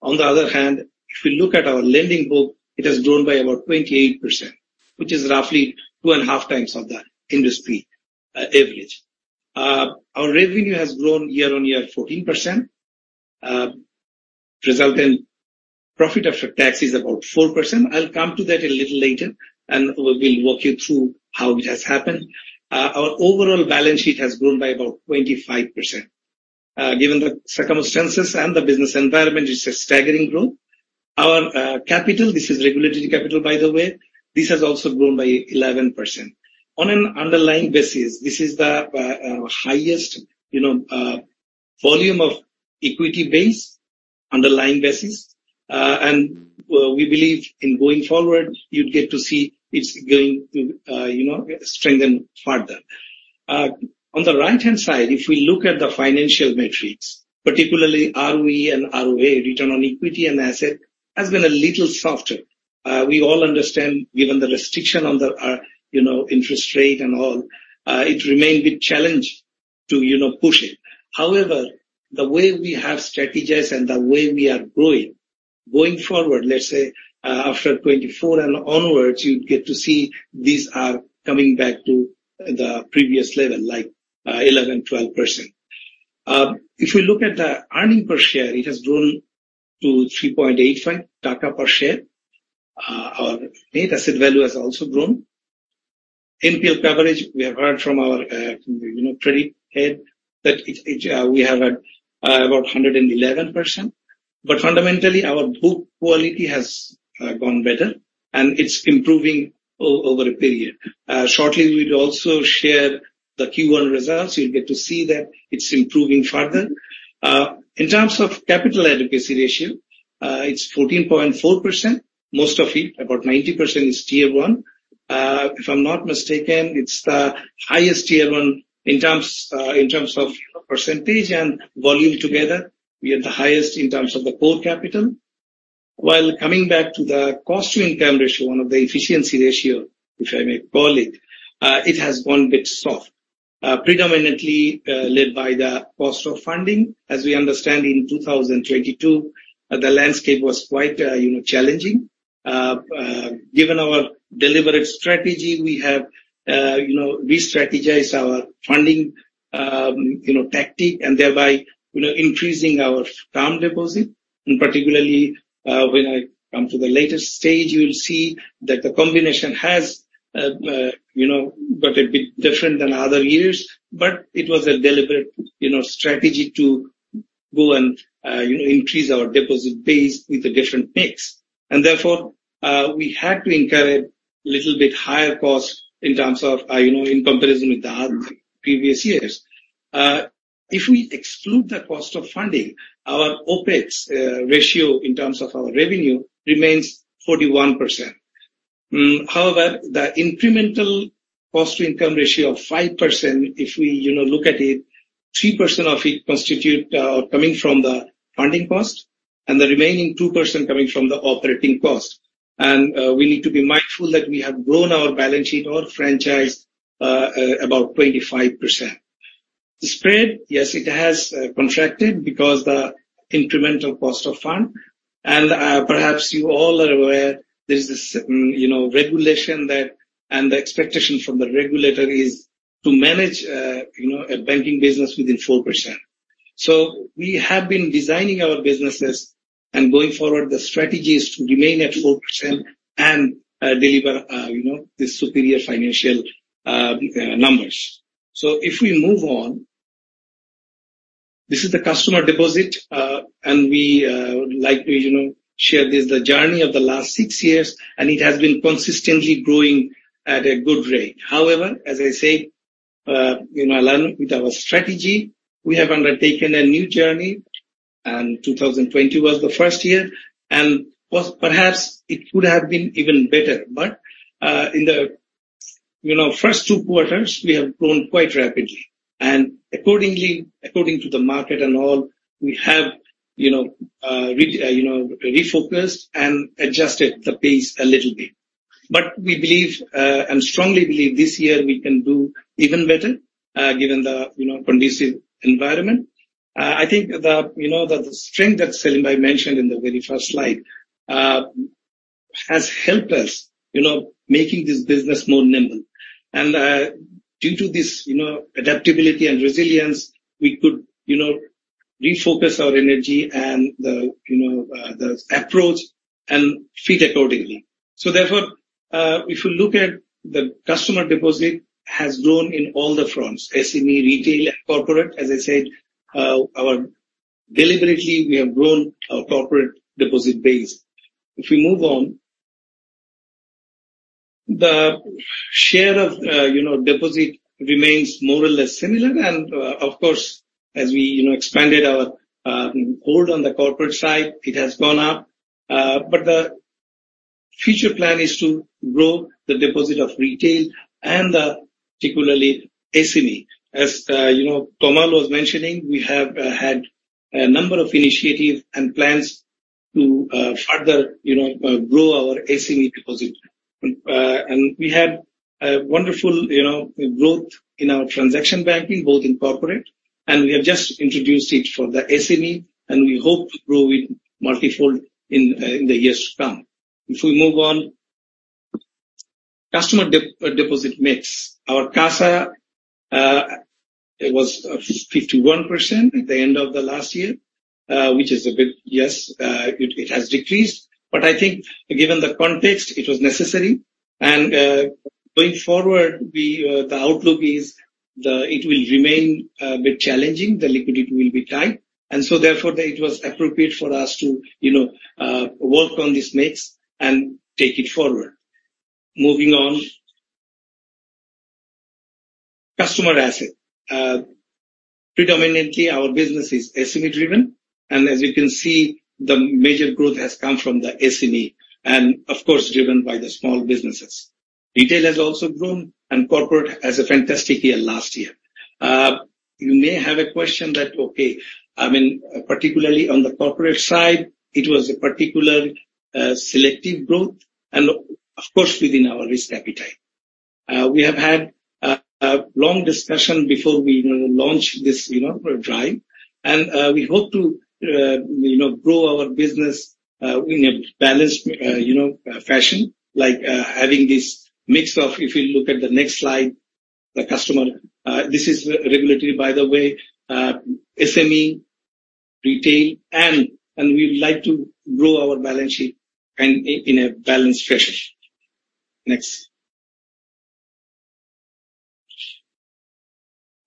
On the other hand, if you look at our lending book, it has grown by about 28%, which is roughly two and a half times of the industry average. Our revenue has grown year-over-year 14%, resulting profit after tax is about 4%. I'll come to that a little later, and we'll walk you through how it has happened. Our overall balance sheet has grown by about 25%. Given the circumstances and the business environment, it's a staggering growth. Our capital, this is regulatory capital by the way, this has also grown by 11%. On an underlying basis, this is the highest, you know, volume of equity base, underlying basis. We believe in going forward, you'd get to see it's going to, you know, strengthen further. On the right-hand side, if we look at the financial metrics, particularly ROE and ROA, return on equity and asset, has been a little softer. We all understand given the restriction on the, you know, interest rate and all, it remained a bit challenged to, you know, push it. However, the way we have strategized and the way we are growing, going forward, let's say, after 2024 and onwards, you'll get to see these are coming back to the previous level, like, 11-12%. If you look at the earning per share, it has grown to 3.85 taka per share. Our net asset value has also grown. NPL coverage, we have heard from our, you know, credit head that we have at about 111%. Fundamentally, our book quality has gone better, and it's improving over a period. Shortly we'll also share the Q1 results. You'll get to see that it's improving further. In terms of capital adequacy ratio, it's 14.4%. Most of it, about 90% is Tier I. If I'm not mistaken, it's the highest Tier I in terms, in terms of percentage and volume together. We are the highest in terms of the core capital. Coming back to the cost to income ratio, one of the efficiency ratio, if I may call it has gone a bit soft. Predominantly, led by the cost of funding. As we understand in 2022, the landscape was quite, you know, challenging. Given our deliberate strategy, we have, you know, restrategized our funding, you know, tactic and thereby, you know, increasing our term deposit. Particularly, when I come to the latest stage, you will see that the combination has, you know, got a bit different than other years, but it was a deliberate, you know, strategy to go and, you know, increase our deposit base with a different mix. Therefore, we had to incur a little bit higher cost in terms of, you know, in comparison with the previous years. If we exclude the cost of funding, our OpEx ratio in terms of our revenue remains 41%. However, the incremental cost-to-income ratio of 5%, if we, you know, look at it, 3% of it constitute coming from the funding cost and the remaining 2% coming from the operating cost. We need to be mindful that we have grown our balance sheet, our franchise about 25%. The spread, yes, it has contracted because the incremental cost of fund and perhaps you all are aware there's this, you know, regulation that and the expectation from the regulator is to manage, you know, a banking business within 4%. We have been designing our businesses and going forward, the strategy is to remain at 4% and deliver, you know, the superior financial numbers. If we move on. This is the customer deposit, and we, you know, would like to share this, the journey of the last 6 years, and it has been consistently growing at a good rate. However, as I say, you know, along with our strategy, we have undertaken a new journey, and 2020 was the first year and was perhaps it could have been even better. In the, you know, first two quarters we have grown quite rapidly and accordingly, according to the market and all we have, you know, refocused and adjusted the pace a little bit. We believe, and strongly believe this year we can do even better, given the, you know, conducive environment. I think the, you know, the strength that Selim bhai mentioned in the very first slide, has helped us, you know, making this business more nimble. Due to this, you know, adaptability and resilience, we could, you know, refocus our energy and the, you know, the approach and fit accordingly. Therefore, if you look at the customer deposit has grown in all the fronts SME, retail, corporate. As I said, our... deliberately, we have grown our corporate deposit base. If we move on. The share of, you know, deposit remains more or less similar and, of course, as we, you know, expanded our, hold on the corporate side, it has gone up. The future plan is to grow the deposit of retail and, particularly SME. As, you know, Kamal was mentioning, we have had a number of initiatives and plans to further, you know, grow our SME deposit. We had a wonderful, you know, growth in our transaction banking, both in corporate, and we have just introduced it for the SME and we hope to grow it multifold in the years to come. If we move on. Customer deposit mix. Our CASA, it was 51% at the end of the last year, which is a bit. Yes, it has decreased, but I think given the context, it was necessary. Going forward, we the outlook is it will remain a bit challenging, the liquidity will be tight and so therefore that it was appropriate for us to, you know, work on this mix and take it forward. Moving on. Customer asset. Predominantly our business is SME-driven, and as you can see, the major growth has come from the SME and of course driven by the small businesses. Retail has also grown and corporate has a fantastic year last year. You may have a question that, okay, I mean, particularly on the corporate side, it was a particular, selective growth and of course within our risk appetite. We have had a long discussion before we, you know, launch this, you know, drive. We hope to, you know, grow our business in a balanced, you know, fashion, like, having this mix of, if you look at the next slide, the customer. This is regulatory by the way, SME, retail and we would like to grow our balance sheet in a balanced fashion. Next.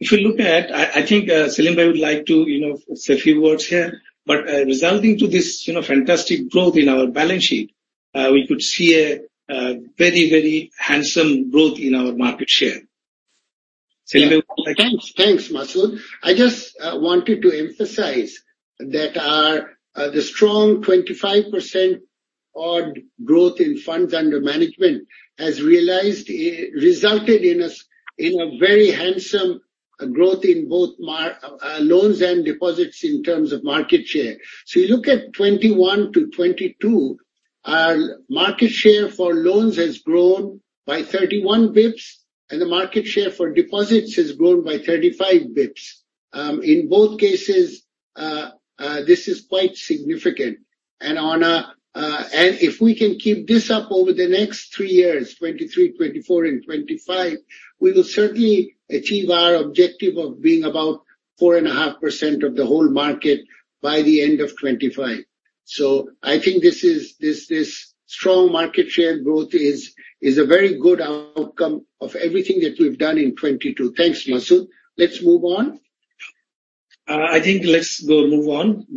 If you look at... I think Selim bhai would like to, you know, say a few words here, resulting to this, you know, fantastic growth in our balance sheet, we could see a very handsome growth in our market share. Selim bhai. Yeah. Thanks. Thanks, Masud. I just wanted to emphasize that our the strong 25% odd growth in funds under management has realized resulted in us, in a very handsome growth in both loans and deposits in terms of market share. You look at 2021-2022, our market share for loans has grown by 31 basis points, and the market share for deposits has grown by 35 basis points. In both cases, this is quite significant. If we can keep this up over the next three years, 2023, 2024 and 2025, we will certainly achieve our objective of being about 4.5% of the whole market by the end of 2025. I think this strong market share growth is a very good outcome of everything that we've done in 2022. Thanks, Masud. Let's move on I think let's go, move on.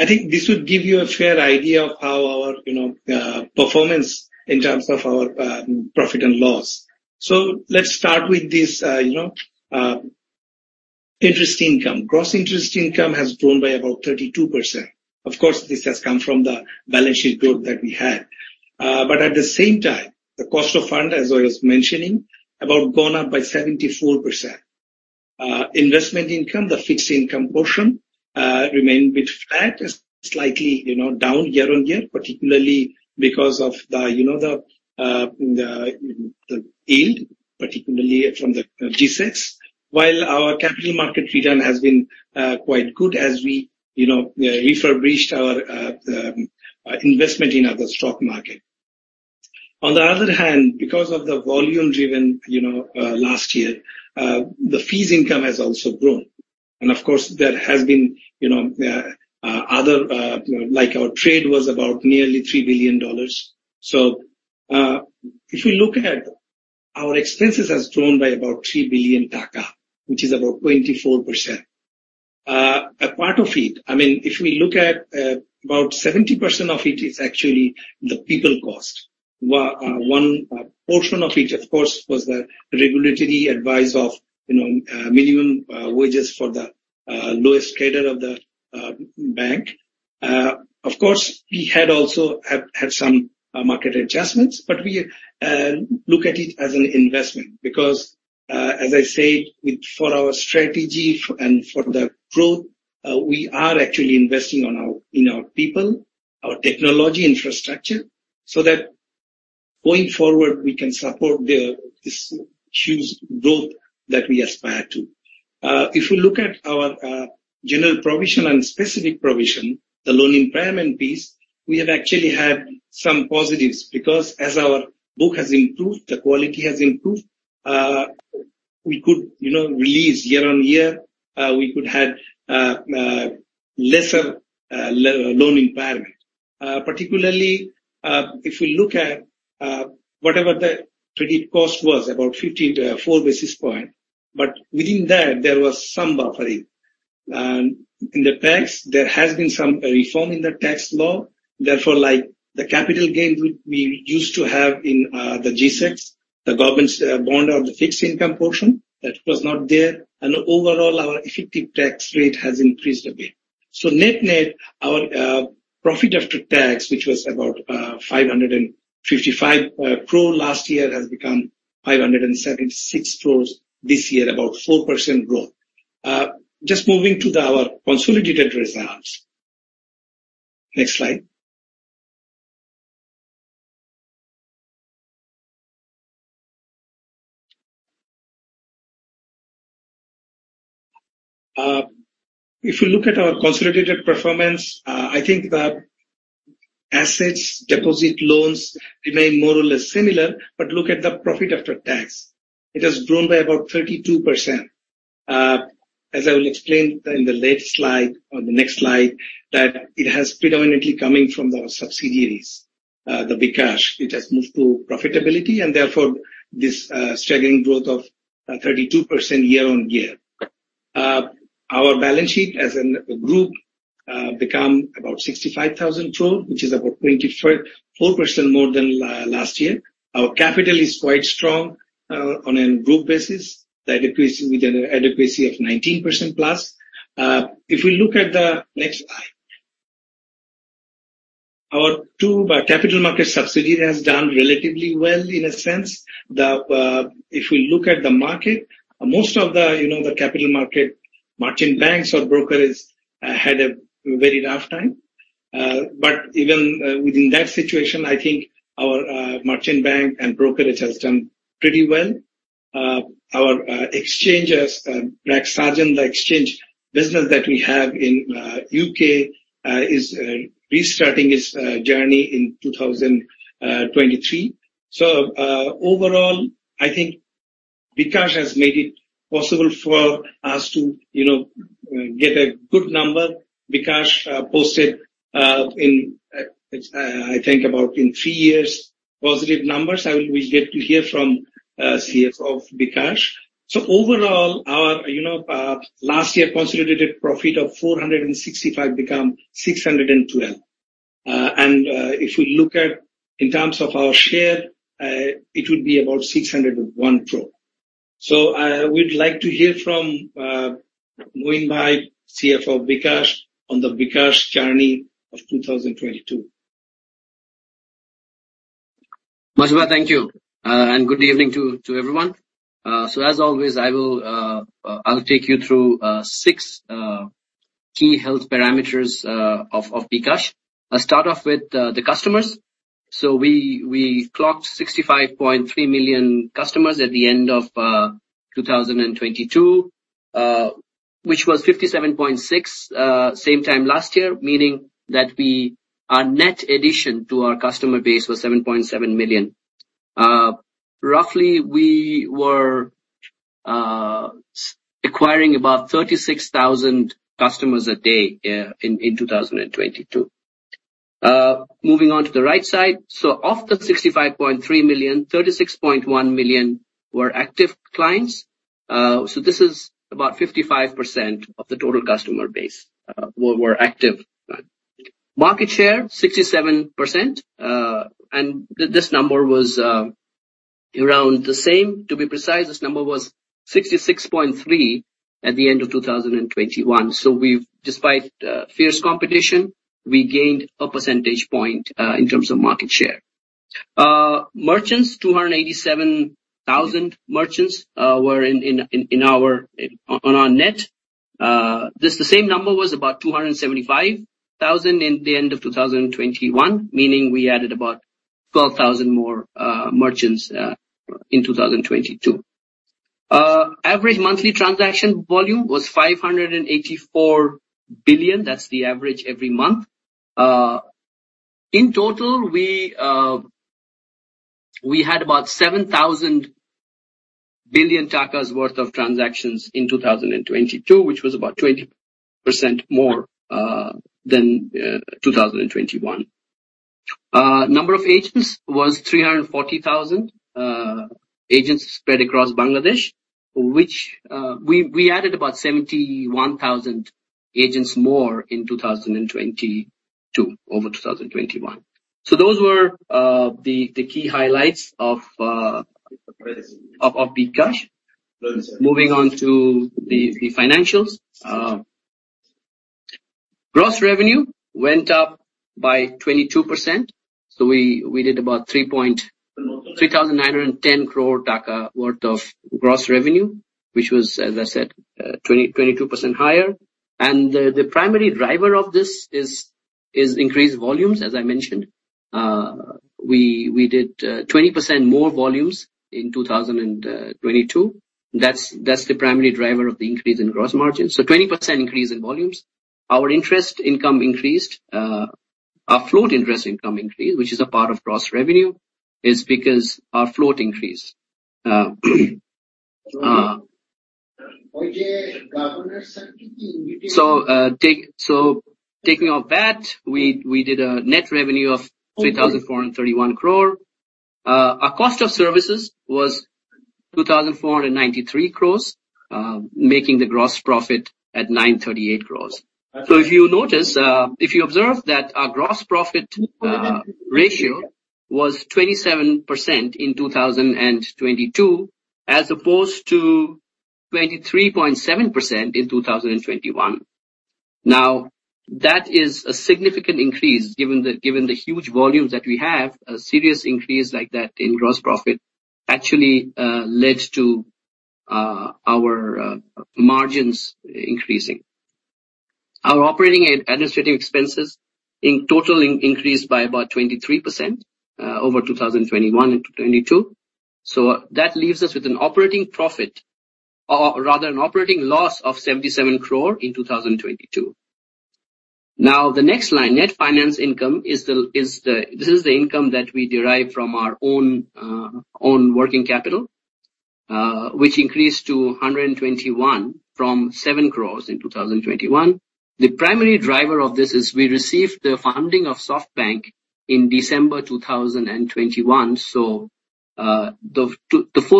I think this would give you a fair idea of how our, you know, performance in terms of our profit and loss. Let's start with this, you know, interest income. Gross interest income has grown by about 32%. Of course, this has come from the balance sheet growth that we had. At the same time, the cost of fund, as I was mentioning, about gone up by 74%. Investment income, the fixed income portion, remained a bit flat, slightly, you know, down year-on-year, particularly because of the, you know, the yield, particularly from the G-Secs. Our capital market return has been quite good as we, you know, refurbished our investment in the stock market. On the other hand, because of the volume driven, you know, last year, the fees income has also grown. Of course, there has been, you know, other, like our trade was about nearly $3 billion. If we look at our expenses has grown by about BDT 3 billion, which is about 24%. A part of it, I mean, if we look at, about 70% of it is actually the people cost. One portion of it, of course, was the regulatory advice of, you know, minimum wages for the lowest cadre of the bank. Of course, we had also had some market adjustments, but we look at it as an investment because as I said, for our strategy and for the growth, we are actually investing on our, in our people, our technology infrastructure, so that going forward we can support this huge growth that we aspire to. If you look at our general provision and specific provision, the loan impairment piece, we have actually had some positives because as our book has improved, the quality has improved, we could, you know, release year-on-year, we could have lesser loan impairment. Particularly, if we look at whatever the credit cost was, about 50-4 basis points, but within that there was some buffering. In the tax, there has been some reform in the tax law, therefore, like the capital gain we used to have in the G-Secs, the government bond or the fixed income portion that was not there. Overall, our effective tax rate has increased a bit. Net-net, our profit after tax, which was about BDT 555 crore last year, has become BDT 576 crore this year, about 4% growth. Just moving to our consolidated results. Next slide. If you look at our consolidated performance, I think the assets, deposit loans remain more or less similar, but look at the profit after tax. It has grown by about 32%. As I will explain in the later slide or the next slide, that it has predominantly coming from the subsidiaries, the bKash, which has moved to profitability and therefore this staggering growth of 32% year-on-year. Our balance sheet as an group, become about BDT 65,000 crore, which is about 24% more than last year. Our capital is quite strong, on a group basis, the adequacy with an adequacy of 19%+. If we look at the next slide. Our two capital market subsidiary has done relatively well in a sense. If we look at the market, most of the, you know, capital market, merchant banks or broker has had a very rough time. But even within that situation, I think our merchant bank and brokerage has done pretty well. Our exchanges, BRAC Saajan, the exchange business that we have in U.K., is restarting its journey in 2023. Overall, I think bKash has made it possible for us to, you know, get a good number. bKash posted in its I think about in 3 years, positive numbers. We'll get to hear from CFO of bKash. Overall, our, you know, last year consolidated profit of BDT 465 crore become BDT 612 crore. If we look at in terms of our share, it would be about BDT 601 crore. We'd like to hear from Moinuddin Rahgir, CFO of bKash on the bKash journey of 2022. Masud, thank you. Good evening to everyone. As always, I will take you through six key health parameters of bKash. I'll start off with the customers. We clocked 65.3 million customers at the end of 2022, which was 57.6 same time last year, meaning that we. Our net addition to our customer base was 7.7 million. Roughly, we were acquiring about 36,000 customers a day in 2022. Moving on to the right side. Of the 65.3 million, 36.1 million were active clients. This is about 55% of the total customer base were active. Market share, 67%. This number was around the same. To be precise, this number was 66.3 at the end of 2021. Despite fierce competition, we gained a percentage point in terms of market share. Merchants, 287,000 merchants were on our net. This the same number was about 275,000 in the end of 2021. Meaning we added about 12,000 more merchants in 2022. Average monthly transaction volume was 584 billion. That's the average every month. In total, we had about BDT 7,000 billion worth of transactions in 2022, which was about 20% more than 2021. Number of agents was 340,000 agents spread across Bangladesh, which we added about 71,000 agents more in 2022 over 2021. Those were the key highlights of bKash. To the financials. Gross revenue went up by 22%. We did about 3,910 crore taka worth of gross revenue, which was, as I said, 22% higher. The primary driver of this is increased volumes, as I mentioned. We did 20% more volumes in 2022. That's the primary driver of the increase in gross margins. 20% increase in volumes. Our interest income increased. Our float interest income increased, which is a part of gross revenue, is because our float increased. Taking off that, we did a net revenue of BDT 3,431 crore. Our cost of services was BDT 2,493 crore, making the gross profit at BDT 938 crore. If you notice, if you observe that our gross profit ratio was 27% in 2022, as opposed to 23.7% in 2021. That is a significant increase given the huge volumes that we have, a serious increase like that in gross profit actually led to our margins increasing. Our operating and administrative expenses in total increased by about 23% over 2021 and 2022. That leaves us with an operating profit, or rather an operating loss of BDT 77 crore in 2022. The next line, net finance income is the income that we derive from our own working capital, which increased to BDT 121 from BDT 7 crores in 2021. The primary driver of this is we received the funding of SoftBank in December 2021. The full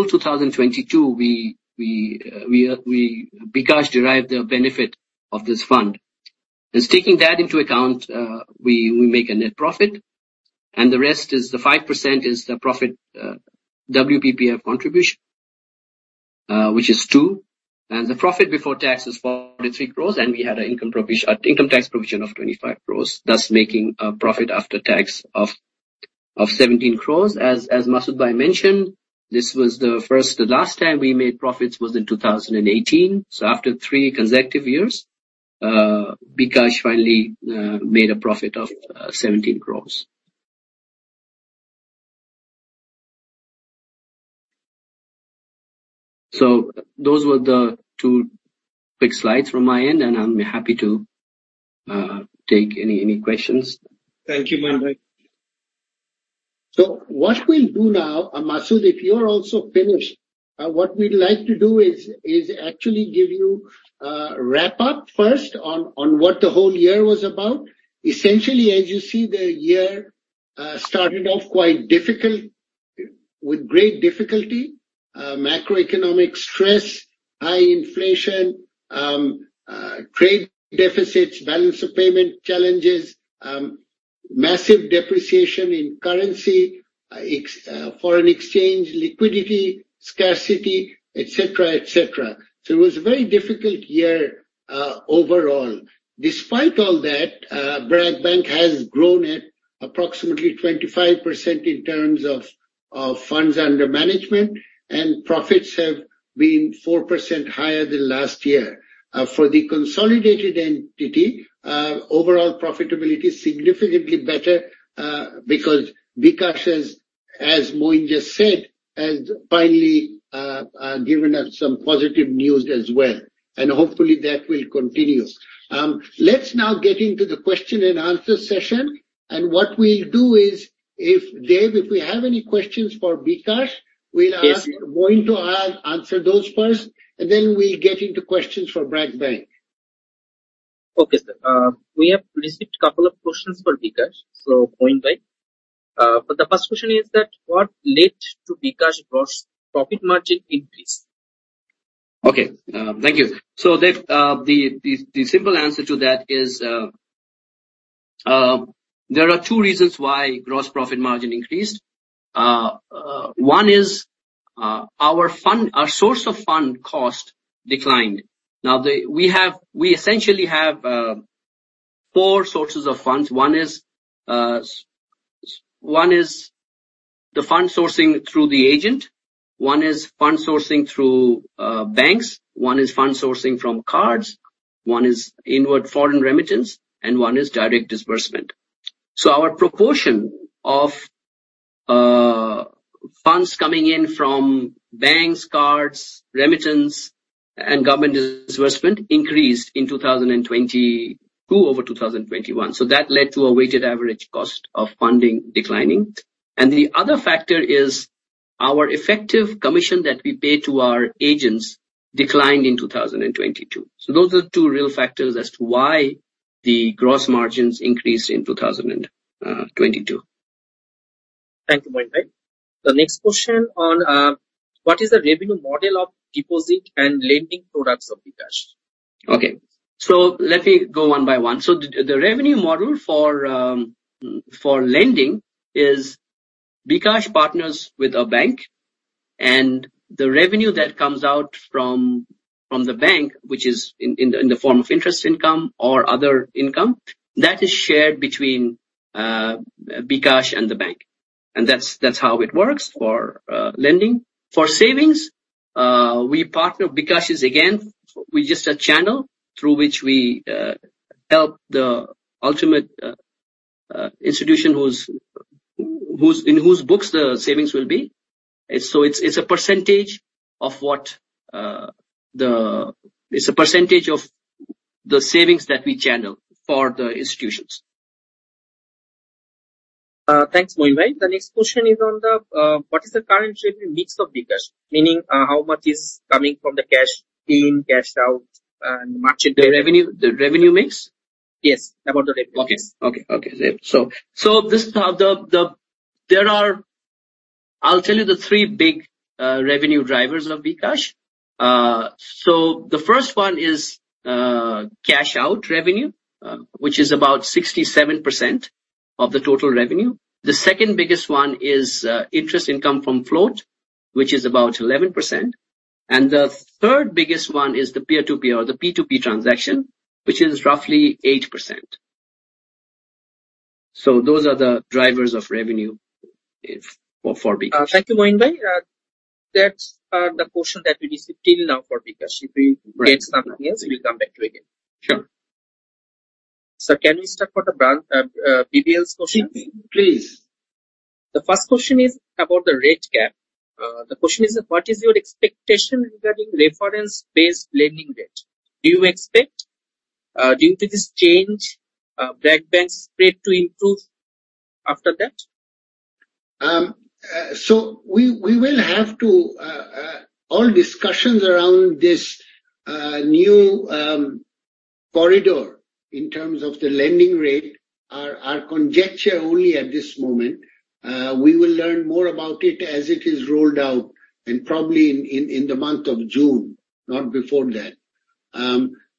2022, we bKash derived the benefit of this fund. Just taking that into account, we make a net profit, and the rest is the 5% is the profit, WPPF contribution, which is two. The profit before tax is BDT 43 crore, and we had an income provision, income tax provision of BDT 25 crore, thus making a profit after tax of BDT 17 crore. As Masud Bhai mentioned, the last time we made profits was in 2018. After three consecutive years, bKash finally made a profit of BDT 17 crore. Those were the two quick slides from my end, and I'm happy to take any questions. Thank you, Moinuddin Rahgir. What we'll do now, Masud, if you're also finished, what we'd like to do is actually give you a wrap up first on what the whole year was about. Essentially, as you see, the year started off quite difficult, with great difficulty. Macroeconomic stress, high inflation, trade deficits, balance of payment challenges, massive depreciation in currency, foreign exchange liquidity, scarcity, et cetera, et cetera. It was a very difficult year overall. Despite all that, BRAC Bank has grown at approximately 25% in terms of funds under management, and profits have been 4% higher than last year. For the consolidated entity, overall profitability is significantly better, because bKash is, as Moin just said, has finally given us some positive news as well, and hopefully that will continue. Let's now get into the question and answer session. What we'll do is if, Dab, if we have any questions for bKash. Yes, sir. We'll ask Moin to answer those first, and then we'll get into questions for BRAC Bank. Okay, sir. We have received couple of questions for bKash. Moinuddin Rahgir. The first question is that: What led to bKash gross profit margin increase? Okay. Thank you. That, the simple answer to that is, there are two reasons why gross profit margin increased. one is, our source of fund cost declined. We essentially have four sources of funds. one is, one is the fund sourcing through the agent, one is fund sourcing through banks, one is fund sourcing from cards, one is inward foreign remittance, and 1 is direct disbursement. Our proportion of funds coming in from banks, cards, remittance and government disbursement increased in 2022 over 2021. That led to a weighted average cost of funding declining. The other factor is our effective commission that we pay to our agents declined in 2022. Those are the two real factors as to why the gross margins increased in 2022. Thank you, Moinuddin Rahgir. The next question on, what is the revenue model of deposit and lending products of bKash? Okay. Let me go one by one. The revenue model for lending is bKash partners with a bank and the revenue that comes out from the bank, which is in the form of interest income or other income, that is shared between bKash and the bank. That's how it works for lending. For savings, we partner... bKash is again, we're just a channel through which we help the ultimate institution whose books the savings will be. It's a percentage of what. It's a percentage of the savings that we channel for the institutions. Thanks, Moinuddin Rahgir. The next question is what is the current revenue mix of bKash? Meaning, how much is coming from the cash in, cash out, and. The revenue, the revenue mix? Yes. About the revenue. Okay. Okay. Okay. I'll tell you the three big revenue drivers of bKash. The first one is cash out revenue, which is about 67% of the total revenue. The second biggest one is interest income from float, which is about 11%. The third biggest one is the peer-to-peer or the P2P transaction, which is roughly 8%. Those are the drivers of revenue for bKash. Thank you, Moinuddin Rahgir. That's the question that we received till now for bKash. If we get something else, we'll come back to you again. Sure. Sir, can we start for the BBL's question? Sure. Please. The first question is about the rate cap. The question is: What is your expectation regarding reference-based lending rate? Do you expect due to this change, bank-bank spread to improve after that? All discussions around this new corridor in terms of the lending rate are conjecture only at this moment. We will learn more about it as it is rolled out, probably in the month of June, not before that.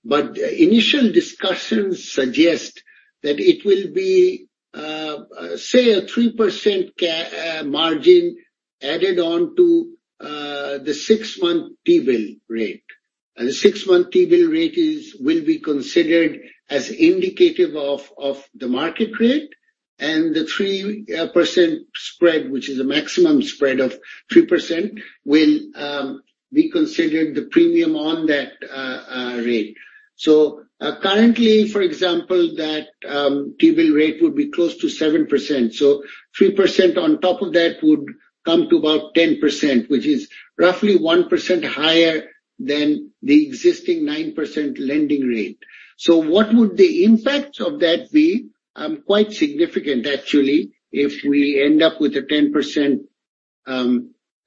Initial discussions suggest that it will be say a 3% margin added on to the six-month T-bill rate. The six-month T-bill rate will be considered as indicative of the market rate. The 3% spread, which is a maximum spread of 3%, will be considered the premium on that rate. Currently, for example, that T-bill rate would be close to 7%. 3% on top of that would come to about 10%, which is roughly 1% higher than the existing 9% lending rate. What would the impact of that be? Quite significant actually. If we end up with a 10%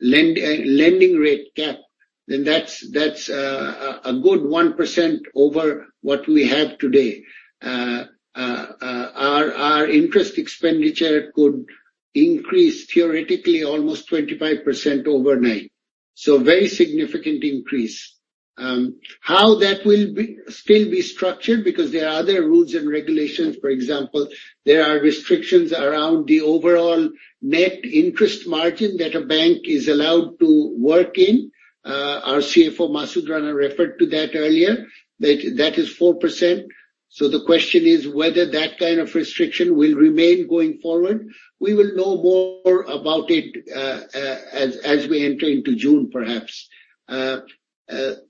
lending rate cap, then that's a good 1% over what we have today. Our interest expenditure could increase theoretically almost 25% overnight. Very significant increase. How that will be, still be structured because there are other rules and regulations. For example, there are restrictions around the overall net interest margin that a bank is allowed to work in. Our CFO Masud Rana referred to that earlier. That is 4%. The question is whether that kind of restriction will remain going forward. We will know more about it, as we enter into June, perhaps.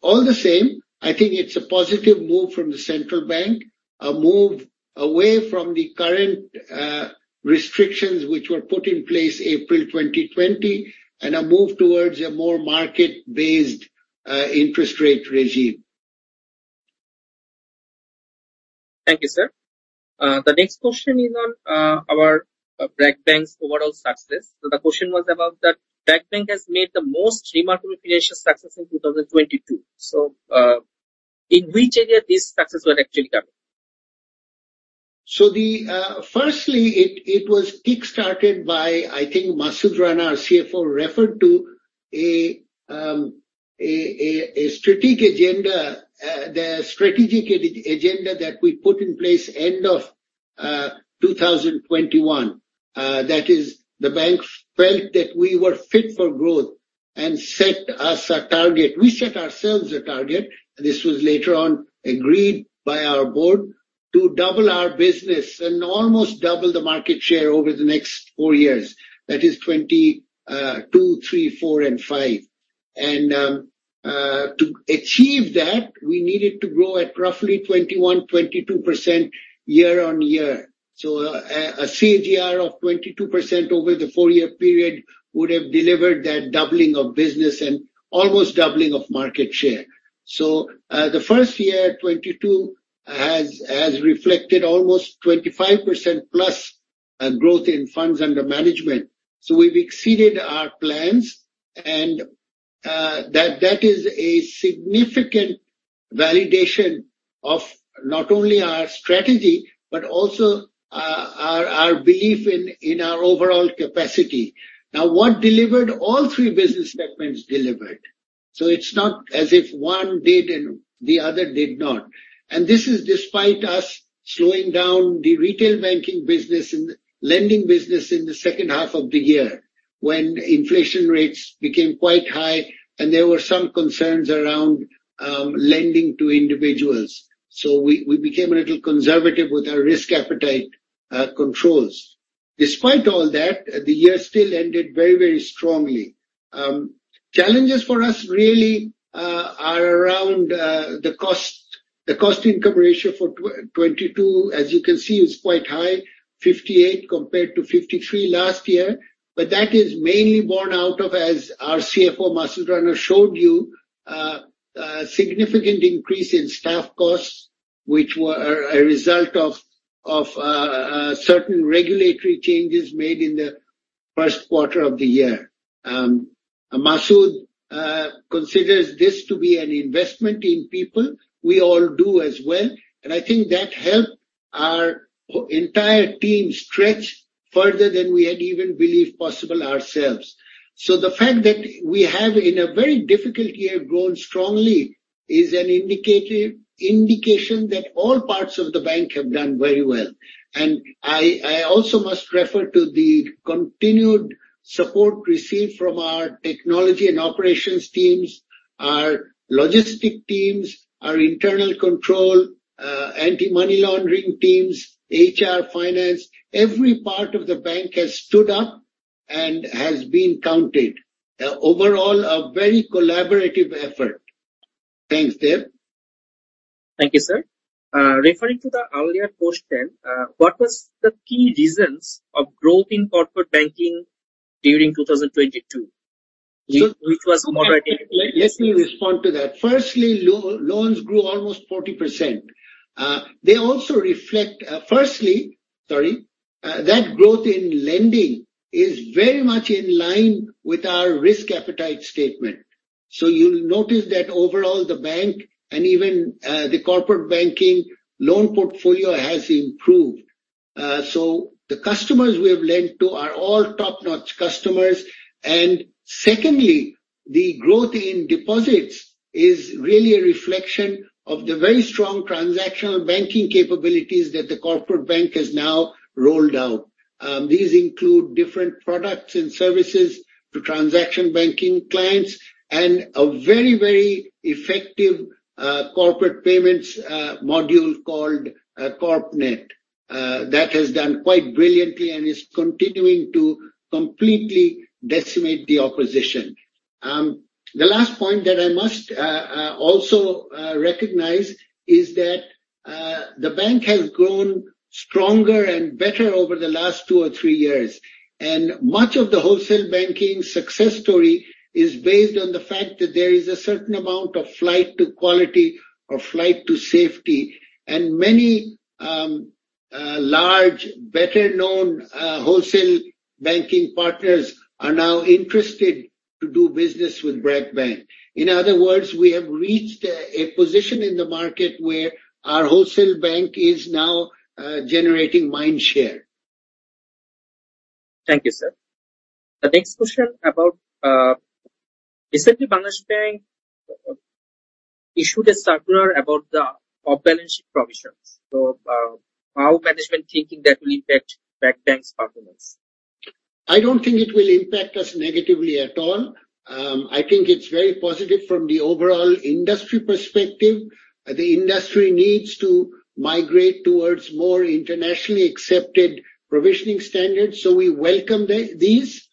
All the same, I think it's a positive move from the central bank, a move away from the current restrictions which were put in place April 2020, and a move towards a more market-based interest rate regime. Thank you, sir. The next question is on our BRAC Bank's overall success. The question was about that BRAC Bank has made the most remarkable financial success in 2022. In which area this success were actually coming? Firstly, it was kick-started by, I think Masud Rana, our CFO, referred to a strategic agenda, the strategic agenda that we put in place end of 2021. That is the bank felt that we were fit for growth and set us a target. We set ourselves a target, this was later on agreed by our board, to double our business and almost double the market share over the next four years. That is 2022, 2023, 2024 and 2025. To achieve that, we needed to grow at roughly 21-22% year on year. A CAGR of 22% over the four-year period would have delivered that doubling of business and almost doubling of market share. The first year, 2022, has reflected almost 25%+ growth in funds under management. We've exceeded our plans and that is a significant validation of not only our strategy, but also our belief in our overall capacity. Now, what delivered? All three business segments delivered. It's not as if one did and the other did not. This is despite us slowing down the retail banking business in the lending business in the second half of the year when inflation rates became quite high and there were some concerns around lending to individuals. We became a little conservative with our risk appetite controls. Despite all that, the year still ended very, very strongly. Challenges for us really are around the cost. The cost income ratio for 2022, as you can see, is quite high, 58 compared to 53 last year. That is mainly born out of, as our CFO, Masud Rana, showed you, a significant increase in staff costs, which were a result of certain regulatory changes made in the first quarter of the year. Masud considers this to be an investment in people. We all do as well. I think that helped our entire team stretch further than we had even believed possible ourselves. The fact that we have, in a very difficult year, grown strongly is an indication that all parts of the bank have done very well. I also must refer to the continued support received from our technology and operations teams, our logistic teams, our internal control, anti-money laundering teams, HR, finance. Every part of the bank has stood up and has been counted. Overall, a very collaborative effort. Thanks, Deb. Thank you, sir. Referring to the earlier question, what was the key reasons of growth in corporate banking during 2022? So- Which was more- Let me respond to that. Firstly, loans grew almost 40%. Firstly, sorry, that growth in lending is very much in line with our risk appetite statement. You'll notice that overall, the bank and even the corporate banking loan portfolio has improved. The customers we have lent to are all top-notch customers. Secondly, the growth in deposits is really a reflection of the very strong transactional banking capabilities that the corporate bank has now rolled out. These include different products and services to transaction banking clients and a very, very effective corporate payments module called CORPnet. That has done quite brilliantly and is continuing to completely decimate the opposition. The last point that I must also recognize is that the bank has grown stronger and better over the last 2 or 3 years. Much of the wholesale banking success story is based on the fact that there is a certain amount of flight to quality or flight to safety. Many large, better-known wholesale banking partners are now interested to do business with BRAC Bank. In other words, we have reached a position in the market where our wholesale bank is now generating mindshare. Thank you, sir. The next question about recently Bangladesh Bank issued a circular about the off-balance sheet provisions. How management thinking that will impact BRAC Bank's performance? I don't think it will impact us negatively at all. I think it's very positive from the overall industry perspective. The industry needs to migrate towards more internationally accepted provisioning standards, so we welcome the, these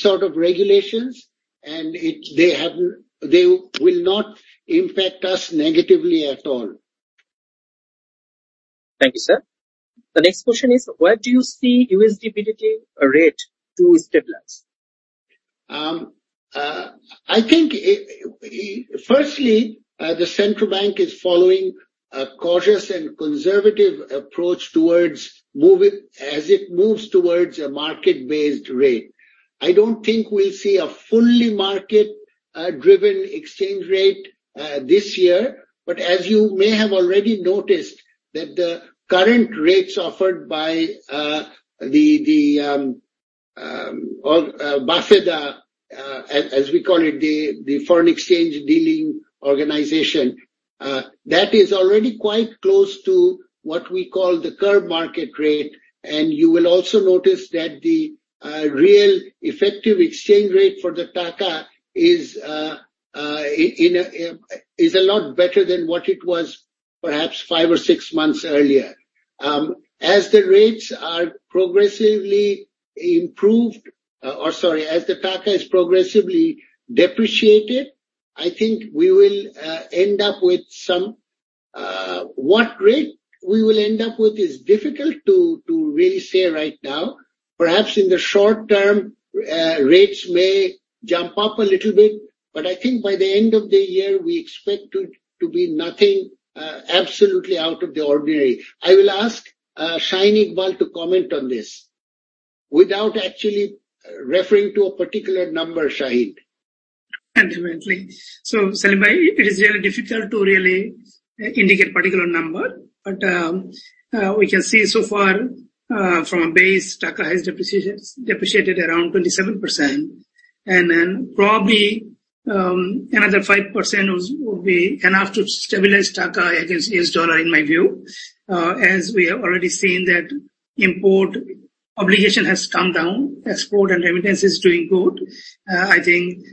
sort of regulations. They will not impact us negatively at all. Thank you, sir. The next question is, where do you see USD BDT rate to stabilize? I think it firstly, the central bank is following a cautious and conservative approach towards move it, as it moves towards a market-based rate. I don't think we'll see a fully market driven exchange rate this year. As you may have already noticed, that the current rates offered by the BAFEDA, as we call it, the foreign exchange dealing organization, that is already quite close to what we call the curb market rate. You will also notice that the real effective exchange rate for the taka is in a lot better than what it was perhaps five or six months earlier. As the rates are progressively improved... or sorry, as the taka is progressively depreciated, I think we will end up with some... What rate we will end up with is difficult to really say right now. Perhaps in the short term, rates may jump up a little bit, but I think by the end of the year, we expect to be nothing absolutely out of the ordinary. I will ask Shaheen Iqbal to comment on this, without actually referring to a particular number, Shaheen. Absolutely. Selim bhai, it is really difficult to really indicate particular number. We can see so far, from a base taka has depreciated around 27%. Then probably, another 5% will be enough to stabilize taka against US dollar, in my view. As we have already seen that import obligation has come down, export and remittance is doing good. I think,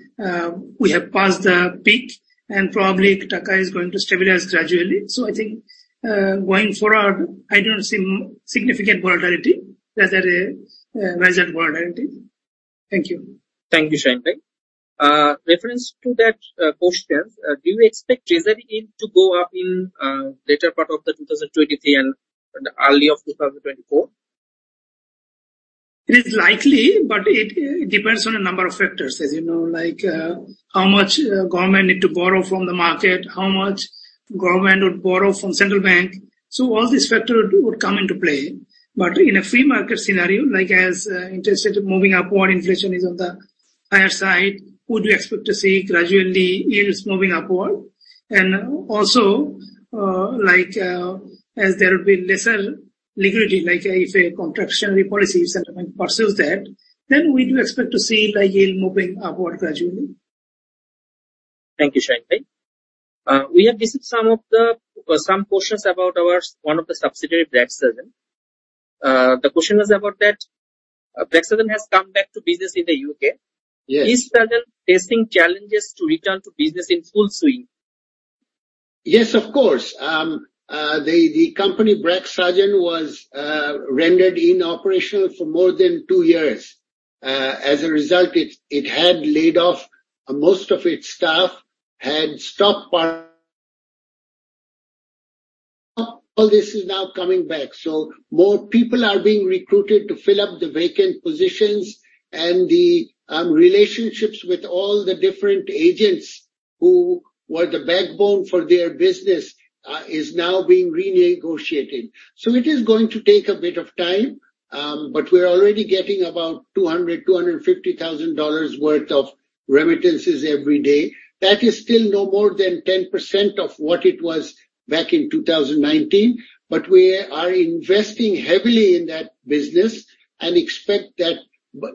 we have passed the peak, and probably taka is going to stabilize gradually. I think, going forward, I don't see significant volatility. Rather a rise in volatility. Thank you. Thank you, Shaheen bhai. Reference to that question, do you expect treasury yield to go up in later part of 2023 and early of 2024? It is likely, but it depends on a number of factors. As you know, like, how much government need to borrow from the market, how much government would borrow from central bank. All these factor would come into play. In a free market scenario, like as interest rate moving upward, inflation is on the higher side, would you expect to see gradually yields moving upward. Also, like, as there will be lesser liquidity, like if a contractionary policy, central bank pursues that, then we do expect to see the yield moving upward gradually. Thank you, Shaheen Bhai. We have received some questions about our one of the subsidiary, BRAC Saajan Exchange. The question was about that BRAC Saajan Exchange has come back to business in the UK. Yes. Is Saajan facing challenges to return to business in full swing? Yes, of course. The company BRAC Saajan Exchange was rendered inoperational for more than two years. As a result, it had laid off most of its staff, had stopped. All this is now coming back. More people are being recruited to fill up the vacant positions and the relationships with all the different agents who were the backbone for their business is now being renegotiated. It is going to take a bit of time, but we're already getting about $200,000-250,000 worth of remittances every day. That is still no more than 10% of what it was back in 2019. We are investing heavily in that business and expect that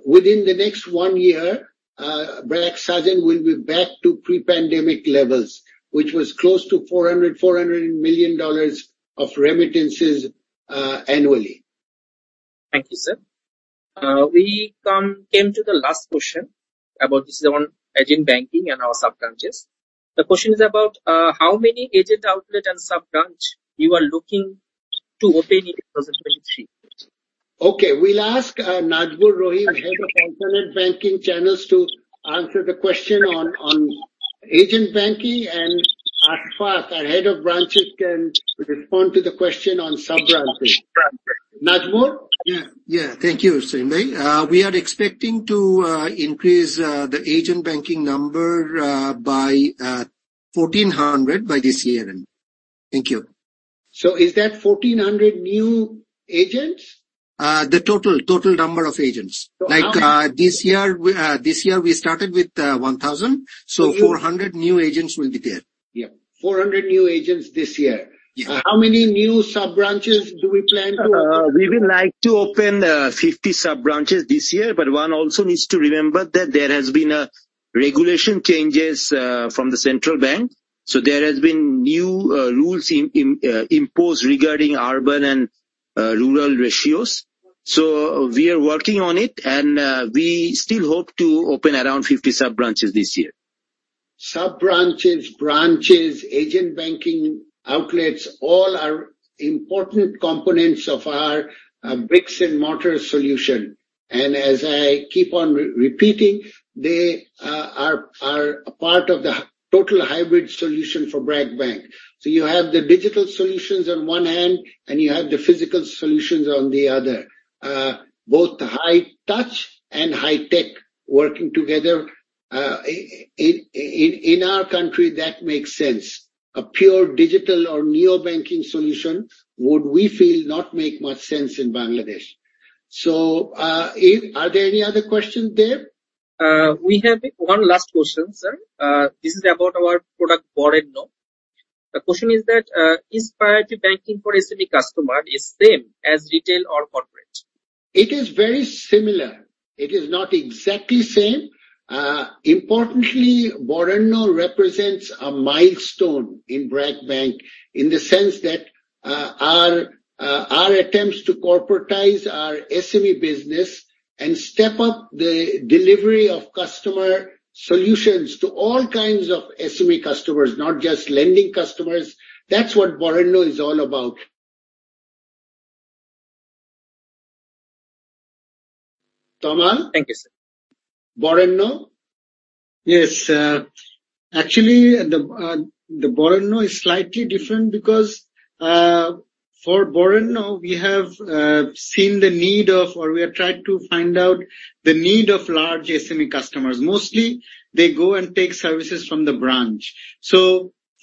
within the next one year, BRAC Saajan will be back to pre-pandemic levels, which was close to $400 million of remittances, annually. Thank you, sir. We came to the last question about. This is on agent banking and our sub-branches. The question is about, how many agent outlet and sub-branch you are looking to open in 2023? Okay. We'll ask Nazmur Rahim, Head of Alternate Banking Channels, to answer the question on agent banking. Ashfaque, our Head of Branches, can respond to the question on sub-branching. Nazmur? Yeah. Yeah. Thank you, Selim bhai. We are expecting to increase the agent banking number by 1,400 by this year-end. Thank you. is that 1,400 new agents? The total number of agents. how many- This year we started with BDT 1,000. So you- 400 new agents will be there. Yeah. 400 new agents this year. Yeah. How many new sub-branches do we plan to open? We would like to open 50 sub-branches this year. One also needs to remember that there has been regulation changes from the central bank. There has been new rules imposed regarding urban and rural ratios. We are working on it and we still hope to open around 50 sub-branches this year. Sub-branches, branches, agent banking outlets, all are important components of our bricks-and-mortar solution. As I keep on repeating, they are a part of the total hybrid solution for BRAC Bank. You have the digital solutions on one hand, and you have the physical solutions on the other. Both high touch and high tech working together. In our country, that makes sense. A pure digital or neo banking solution would, we feel, not make much sense in Bangladesh. Are there any other questions there? We have one last question, sir. This is about our product Borno. The question is that, is priority banking for SME customer is same as retail or corporate? It is very similar. It is not exactly same. Importantly, Bor represents a milestone in BRAC Bank in the sense that, our attempts to corporatize our SME business and step up the delivery of customer solutions to all kinds of SME customers, not just lending customers. That's what Borno is all about. Tomal? Thank you, sir. Borno? Yes, actually, the Borno is slightly different because for Borno, we have seen the need of, or we are trying to find out the need of large SME customers. Mostly, they go and take services from the branch.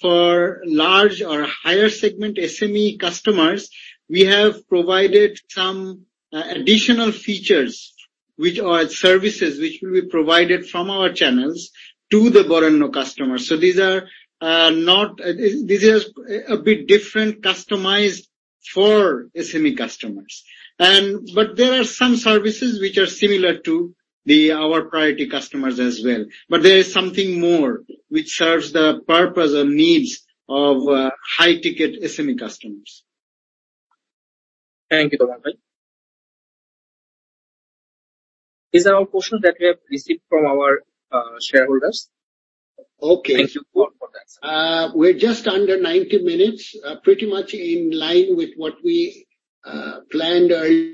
For large or higher segment SME customers, we have provided some additional features which are services which will be provided from our channels to the Borno customers. These are not. These are a bit different customized for SME customers. There are some services which are similar to the, our priority customers as well. There is something more which serves the purpose and needs of high-ticket SME customers. Thank you, Tomal brother. These are all questions that we have received from our shareholders. Okay. Thank you for that, sir. We're just under 90 minutes, pretty much in line with what we planned earlier.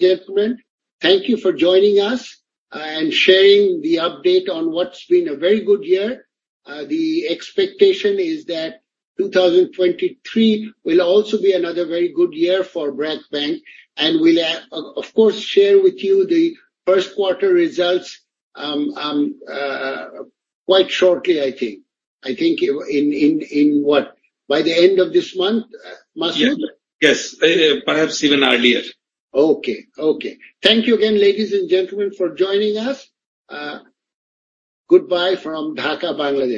Gentlemen, thank you for joining us and sharing the update on what's been a very good year. The expectation is that 2023 will also be another very good year for BRAC Bank, and we'll, of course, share with you the first quarter results quite shortly, I think. I think in what? By the end of this month, Masud? Yes. Yes. Perhaps even earlier. Okay. Okay. Thank you again, ladies and gentlemen, for joining us. Goodbye from Dhaka, Bangladesh.